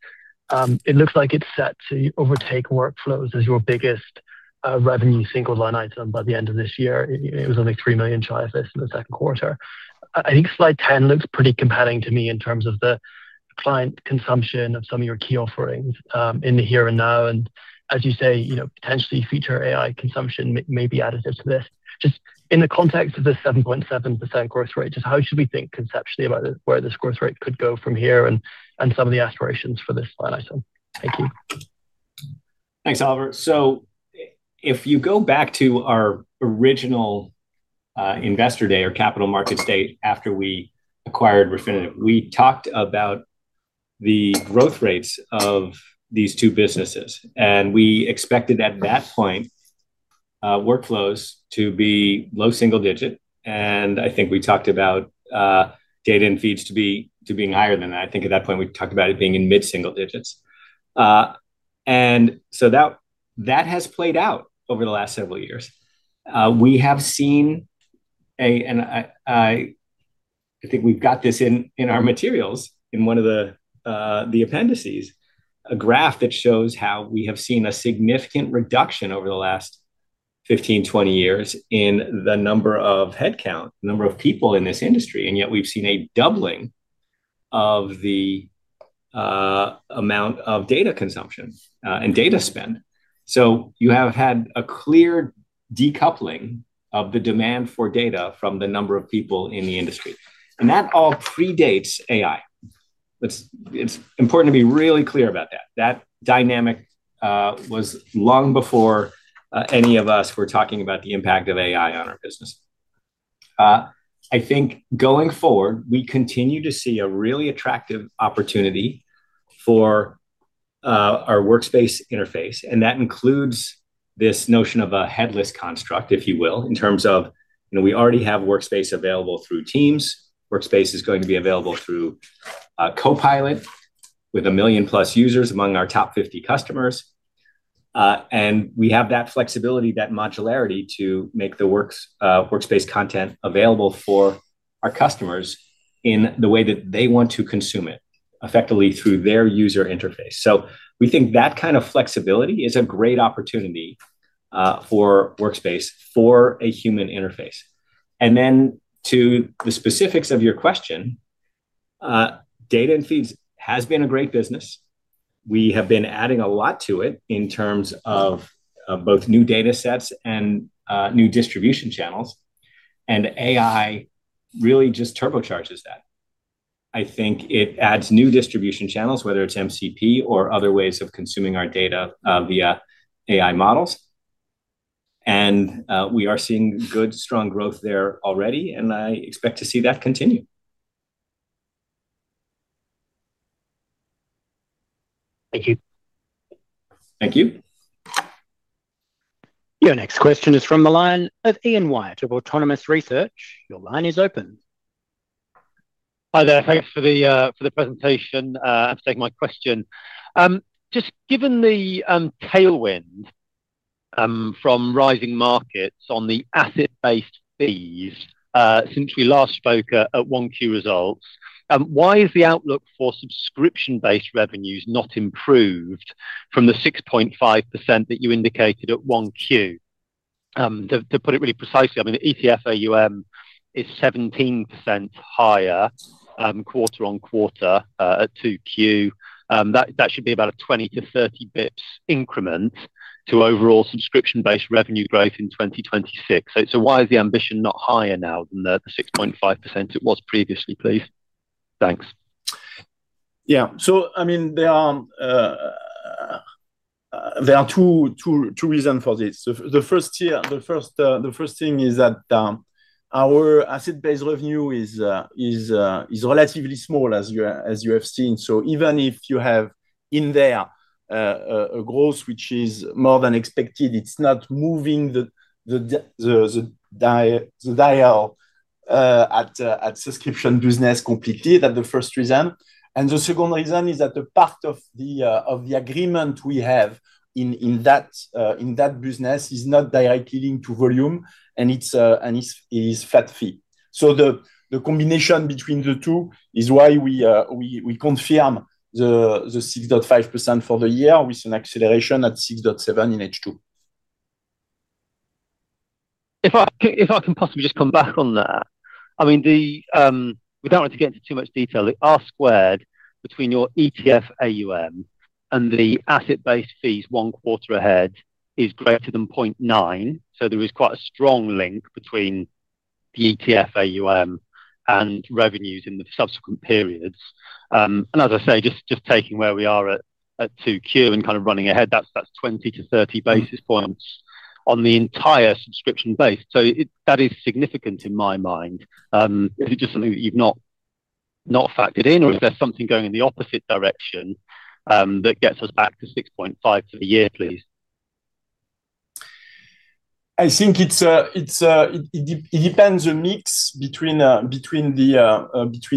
It looks like it's set to overtake workflows as your biggest revenue single line item by the end of this year. It was only 3 million shy of this in the second quarter. I think slide 10 looks pretty compelling to me in terms of the client consumption of some of your key offerings in the here and now. As you say, potentially feature AI consumption may be additive to this. Just in the context of this 7.7% growth rate, just how should we think conceptually about where this growth rate could go from here and some of the aspirations for this line item? Thank you. Thanks, Oliver. If you go back to our original investor day or capital markets date after we acquired Refinitiv, we talked about the growth rates of these two businesses. We expected at that point, workflows to be low single-digit, and I think we talked about Data & Feeds to being higher than that. I think at that point we talked about it being in mid-single-digits. That has played out over the last several years. We have seen, and I think we've got this in our materials in one of the appendices, a graph that shows how we have seen a significant reduction over the last 15, 20 years in the number of headcount, number of people in this industry, and yet we've seen a doubling of the amount of data consumption and data spend. You have had a clear decoupling of the demand for data from the number of people in the industry. That all predates AI. It's important to be really clear about that. That dynamic was long before any of us were talking about the impact of AI on our business. Going forward, we continue to see a really attractive opportunity for our Workspace interface, and that includes this notion of a headless construct, if you will, in terms of, we already have Workspace available through Teams. Workspace is going to be available through Copilot with 1 million plus users among our top 50 customers. We have that flexibility, that modularity to make the Workspace content available for our customers in the way that they want to consume it, effectively through their user interface. We think that kind of flexibility is a great opportunity for Workspace for a human interface. Then to the specifics of your question, data and feeds has been a great business. We have been adding a lot to it in terms of both new data sets and new distribution channels. AI really just turbocharges that. I think it adds new distribution channels, whether it's MCP or other ways of consuming our data via AI models. We are seeing good, strong growth there already, and I expect to see that continue. Thank you. Thank you. Your next question is from the line of Ian White of Autonomous Research. Your line is open. Hi there. Thanks for the presentation. I'm stating my question. Just given the tailwind from rising markets on the asset-based fees, since we last spoke at 1Q results, why is the outlook for subscription-based revenues not improved from the 6.5% that you indicated at 1Q? To put it really precisely, ETF AUM is 17% higher quarter-on-quarter at 2Q. That should be about a 20 to 30 basis points increment to overall subscription-based revenue growth in 2026. Why is the ambition not higher now than the 6.5% it was previously, please? Thanks. Yeah. There are two reasons for this. The first thing is that our asset-based revenue is relatively small as you have seen. Even if you have in there a growth which is more than expected, it's not moving the dial at subscription business completely. That's the first reason. The second reason is that the part of the agreement we have in that business is not directly linked to volume, and it's flat fee. The combination between the two is why we confirm the 6.5% for the year with an acceleration at 6.7% in H2. If I can possibly just come back on that. Without wanting to get into too much detail, the R-squared between your ETF AUM and the asset-based fees one quarter ahead is greater than 0.9. There is quite a strong link between the ETF AUM and revenues in the subsequent periods. As I say, just taking where we are at 2Q and kind of running ahead, that's 20 to 30 basis points on the entire subscription base. That is significant in my mind. Is it just something that you've not factored in? Yeah. Is there something going in the opposite direction that gets us back to 6.5 for the year, please? I think it depends the mix between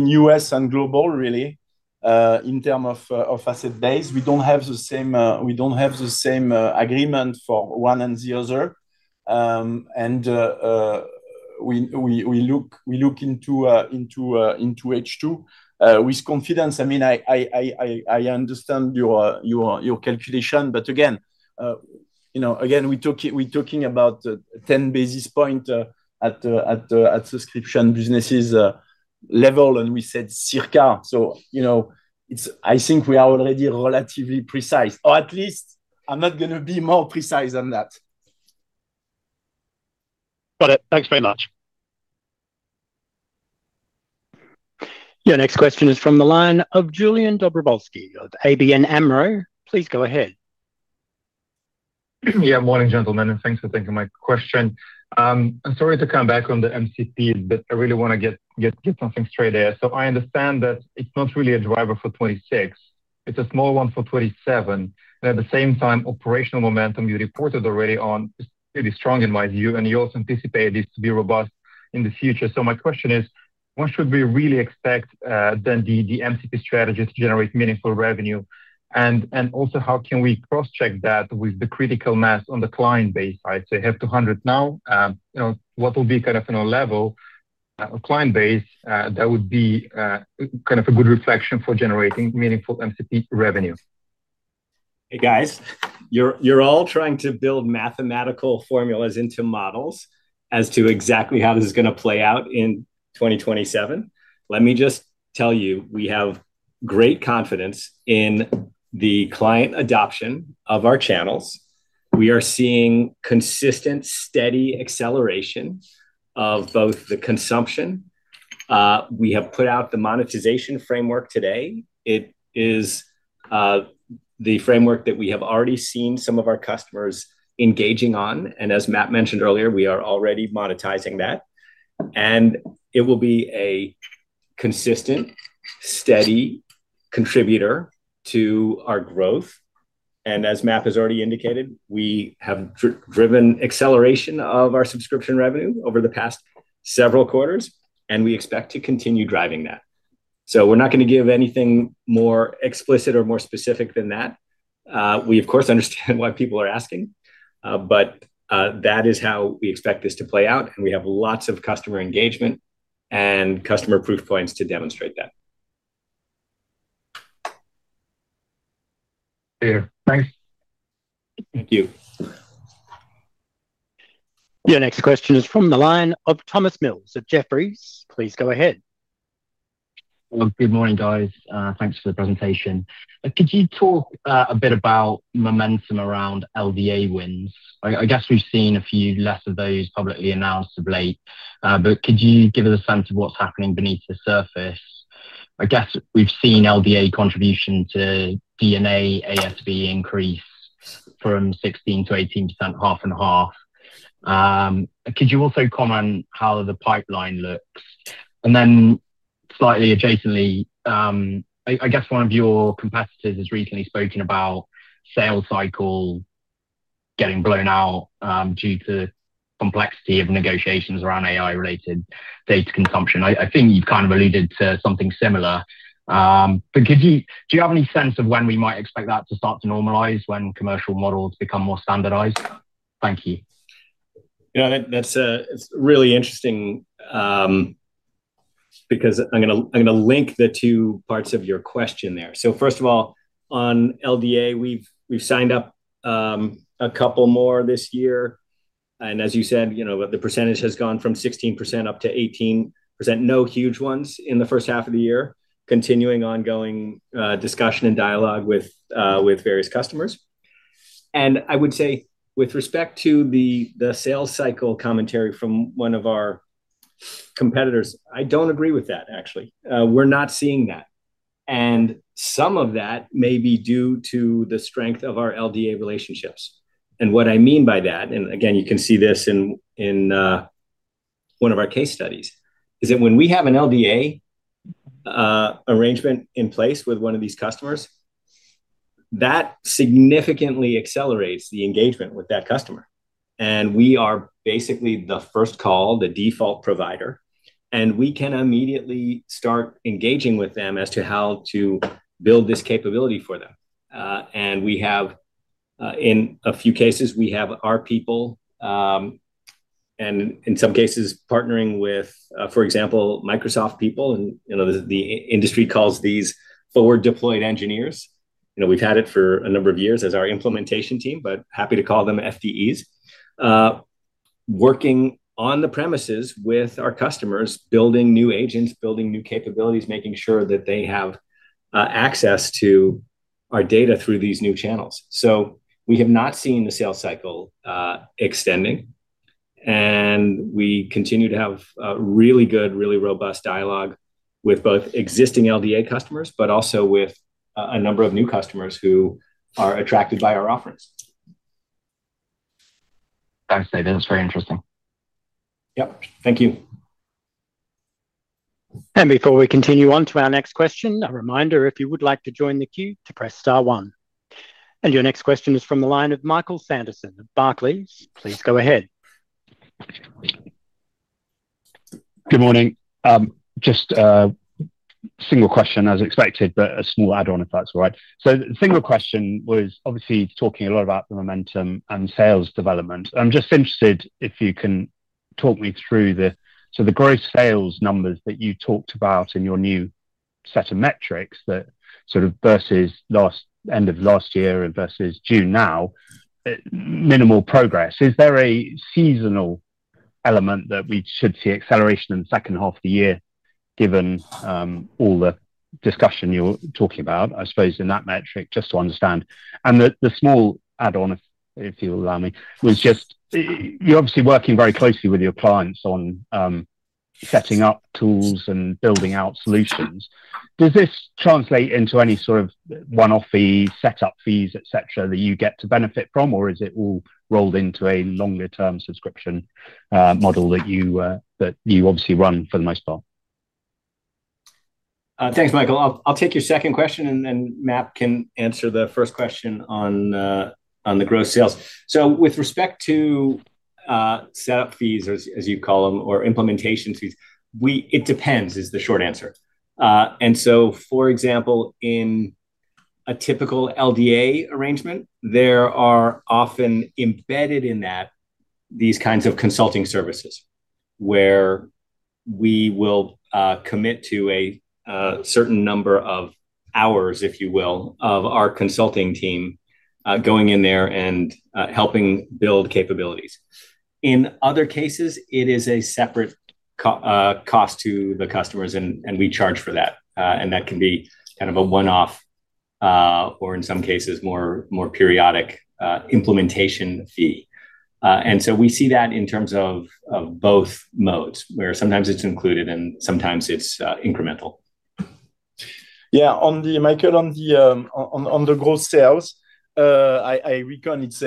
U.S. and global really, in terms of asset base. We don't have the same agreement for one and the other. We look into H2 with confidence. I understand your calculation, again, we're talking about 10 basis points at subscription business' level, and we said circa. I think we are already relatively precise, or at least I'm not going to be more precise than that. Got it. Thanks very much. Your next question is from the line of Julian Dobrovolschi of ABN AMRO. Please go ahead. Morning, gentlemen, and thanks for taking my question. I'm sorry to come back on the MCP. I really want to get something straight here. I understand that it's not really a driver for 2026. It's a small one for 2027. At the same time, operational momentum you reported already on is pretty strong in my view, and you also anticipate this to be robust in the future. My question is, when should we really expect then the MCP strategy to generate meaningful revenue? Also, how can we cross-check that with the critical mass on the client base side? You have 200 now. What will be kind of a level of client base that would be kind of a good reflection for generating meaningful MCP revenue? Hey, guys. You're all trying to build mathematical formulas into models as to exactly how this is going to play out in 2027. Let me just tell you, we have great confidence in the client adoption of our channels. We are seeing consistent, steady acceleration of both the consumption. We have put out the monetization framework today. It is the framework that we have already seen some of our customers engaging on, and as MAP mentioned earlier, we are already monetizing that. It will be a consistent, steady contributor to our growth. As MAP has already indicated, we have driven acceleration of our subscription revenue over the past several quarters, and we expect to continue driving that. We're not going to give anything more explicit or more specific than that. We of course, understand why people are asking. That is how we expect this to play out, and we have lots of customer engagement and customer proof points to demonstrate that. Clear. Thanks. Thank you. Your next question is from the line of Thomas Mills at Jefferies. Please go ahead. Good morning, guys. Thanks for the presentation. Could you talk a bit about momentum around LDA wins? I guess we've seen a few less of those publicly announced of late. Could you give us a sense of what's happening beneath the surface? I guess we've seen LDA contribution to DNA ASV increase from 16% to 18%, half and half. Could you also comment how the pipeline looks? Slightly adjacently, I guess one of your competitors has recently spoken about sales cycle getting blown out, due to complexity of negotiations around AI-related data consumption. I think you've kind of alluded to something similar. Do you have any sense of when we might expect that to start to normalize, when commercial models become more standardized? Thank you. Yeah, that's really interesting, because I'm going to link the two parts of your question there. First of all, on LDA, we've signed up a couple more this year, and as you said, the percentage has gone from 16% up to 18%. No huge ones in the first half of the year. Continuing ongoing discussion and dialogue with various customers. I would say with respect to the sales cycle commentary from one of our competitors, I don't agree with that, actually. We're not seeing that. Some of that may be due to the strength of our LDA relationships. What I mean by that, and again, you can see this in one of our case studies, is that when we have an LDA arrangement in place with one of these customers, that significantly accelerates the engagement with that customer. We are basically the first call, the default provider, and we can immediately start engaging with them as to how to build this capability for them. In a few cases, we have our people, and in some cases partnering with, for example, Microsoft people and the industry calls these forward-deployed engineers. We've had it for a number of years as our implementation team, but happy to call them FDEs, working on the premises with our customers, building new agents, building new capabilities, making sure that they have access to our data through these new channels. We have not seen the sales cycle extending, and we continue to have really good, really robust dialogue with both existing LDA customers, but also with a number of new customers who are attracted by our offerings. Thanks, Dave. That's very interesting. Yep. Thank you. Before we continue on to our next question, a reminder, if you would like to join the queue, to press star one. Your next question is from the line of Michael Sanderson of Barclays. Please go ahead. Good morning. Just a single question as expected, but a small add-on, if that's all right. The single question was obviously talking a lot about the momentum and sales development. I'm just interested if you can talk me through the gross sales numbers that you talked about in your new set of metrics that sort of versus end of last year and versus June now, minimal progress. Is there a seasonal element that we should see acceleration in the second half of the year, given all the discussion you're talking about, I suppose, in that metric, just to understand? The small add-on, if you'll allow me, was just you're obviously working very closely with your clients on setting up tools and building out solutions. Does this translate into any sort of one-off fee, setup fees, et cetera, that you get to benefit from, or is it all rolled into a longer-term subscription model that you obviously run for the most part? Thanks, Michael. I'll take your second question. MAP can answer the first question on the gross sales. With respect to setup fees, as you call them, or implementation fees, it depends is the short answer. For example, in a typical LDA arrangement, there are often embedded in that these kinds of consulting services, where we will commit to a certain number of hours, if you will, of our consulting team going in there and helping build capabilities. In other cases, it is a separate cost to the customers, and we charge for that. That can be kind of a one-off, or in some cases, more periodic implementation fee. We see that in terms of both modes, where sometimes it's included and sometimes it's incremental. Yeah, Michael, on the gross sales, I reckon it's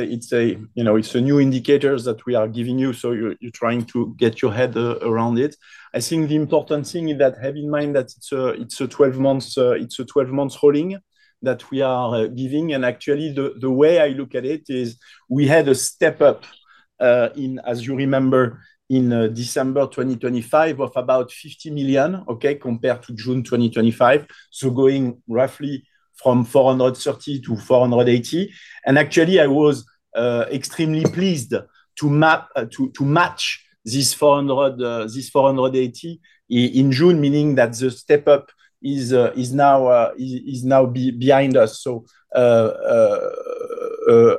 a new indicators that we are giving you, so you're trying to get your head around it. I think the important thing is that have in mind that it's a 12 months holding that we are giving. The way I look at it is we had a step up in, as you remember, in December 2025, of about 50 million, okay, compared to June 2025. Going roughly from 430 to 480. I was extremely pleased to match this 480 in June, meaning that the step up is now behind us.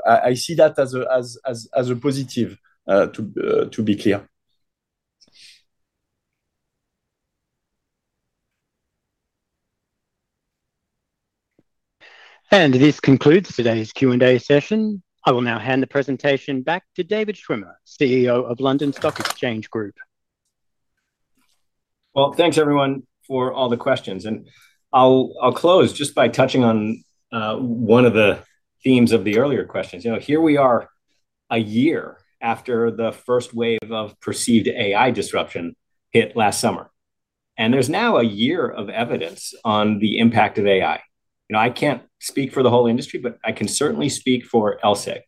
I see that as a positive, to be clear. This concludes today's Q&A session. I will now hand the presentation back to David Schwimmer, CEO of London Stock Exchange Group. Well, thanks everyone for all the questions, I'll close just by touching on one of the themes of the earlier questions. Here we are a year after the first wave of perceived AI disruption hit last summer, there's now a year of evidence on the impact of AI. I can't speak for the whole industry, but I can certainly speak for LSEG.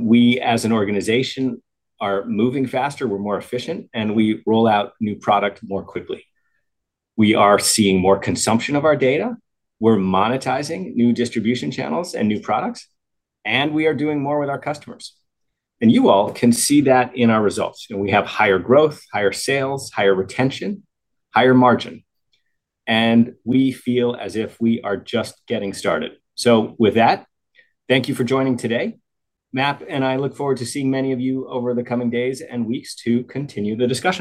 We, as an organization, are moving faster, we're more efficient, we roll out new product more quickly. We are seeing more consumption of our data. We're monetizing new distribution channels and new products, we are doing more with our customers. You all can see that in our results. We have higher growth, higher sales, higher retention, higher margin. We feel as if we are just getting started. With that, thank you for joining today. MAP, I look forward to seeing many of you over the coming days and weeks to continue the discussion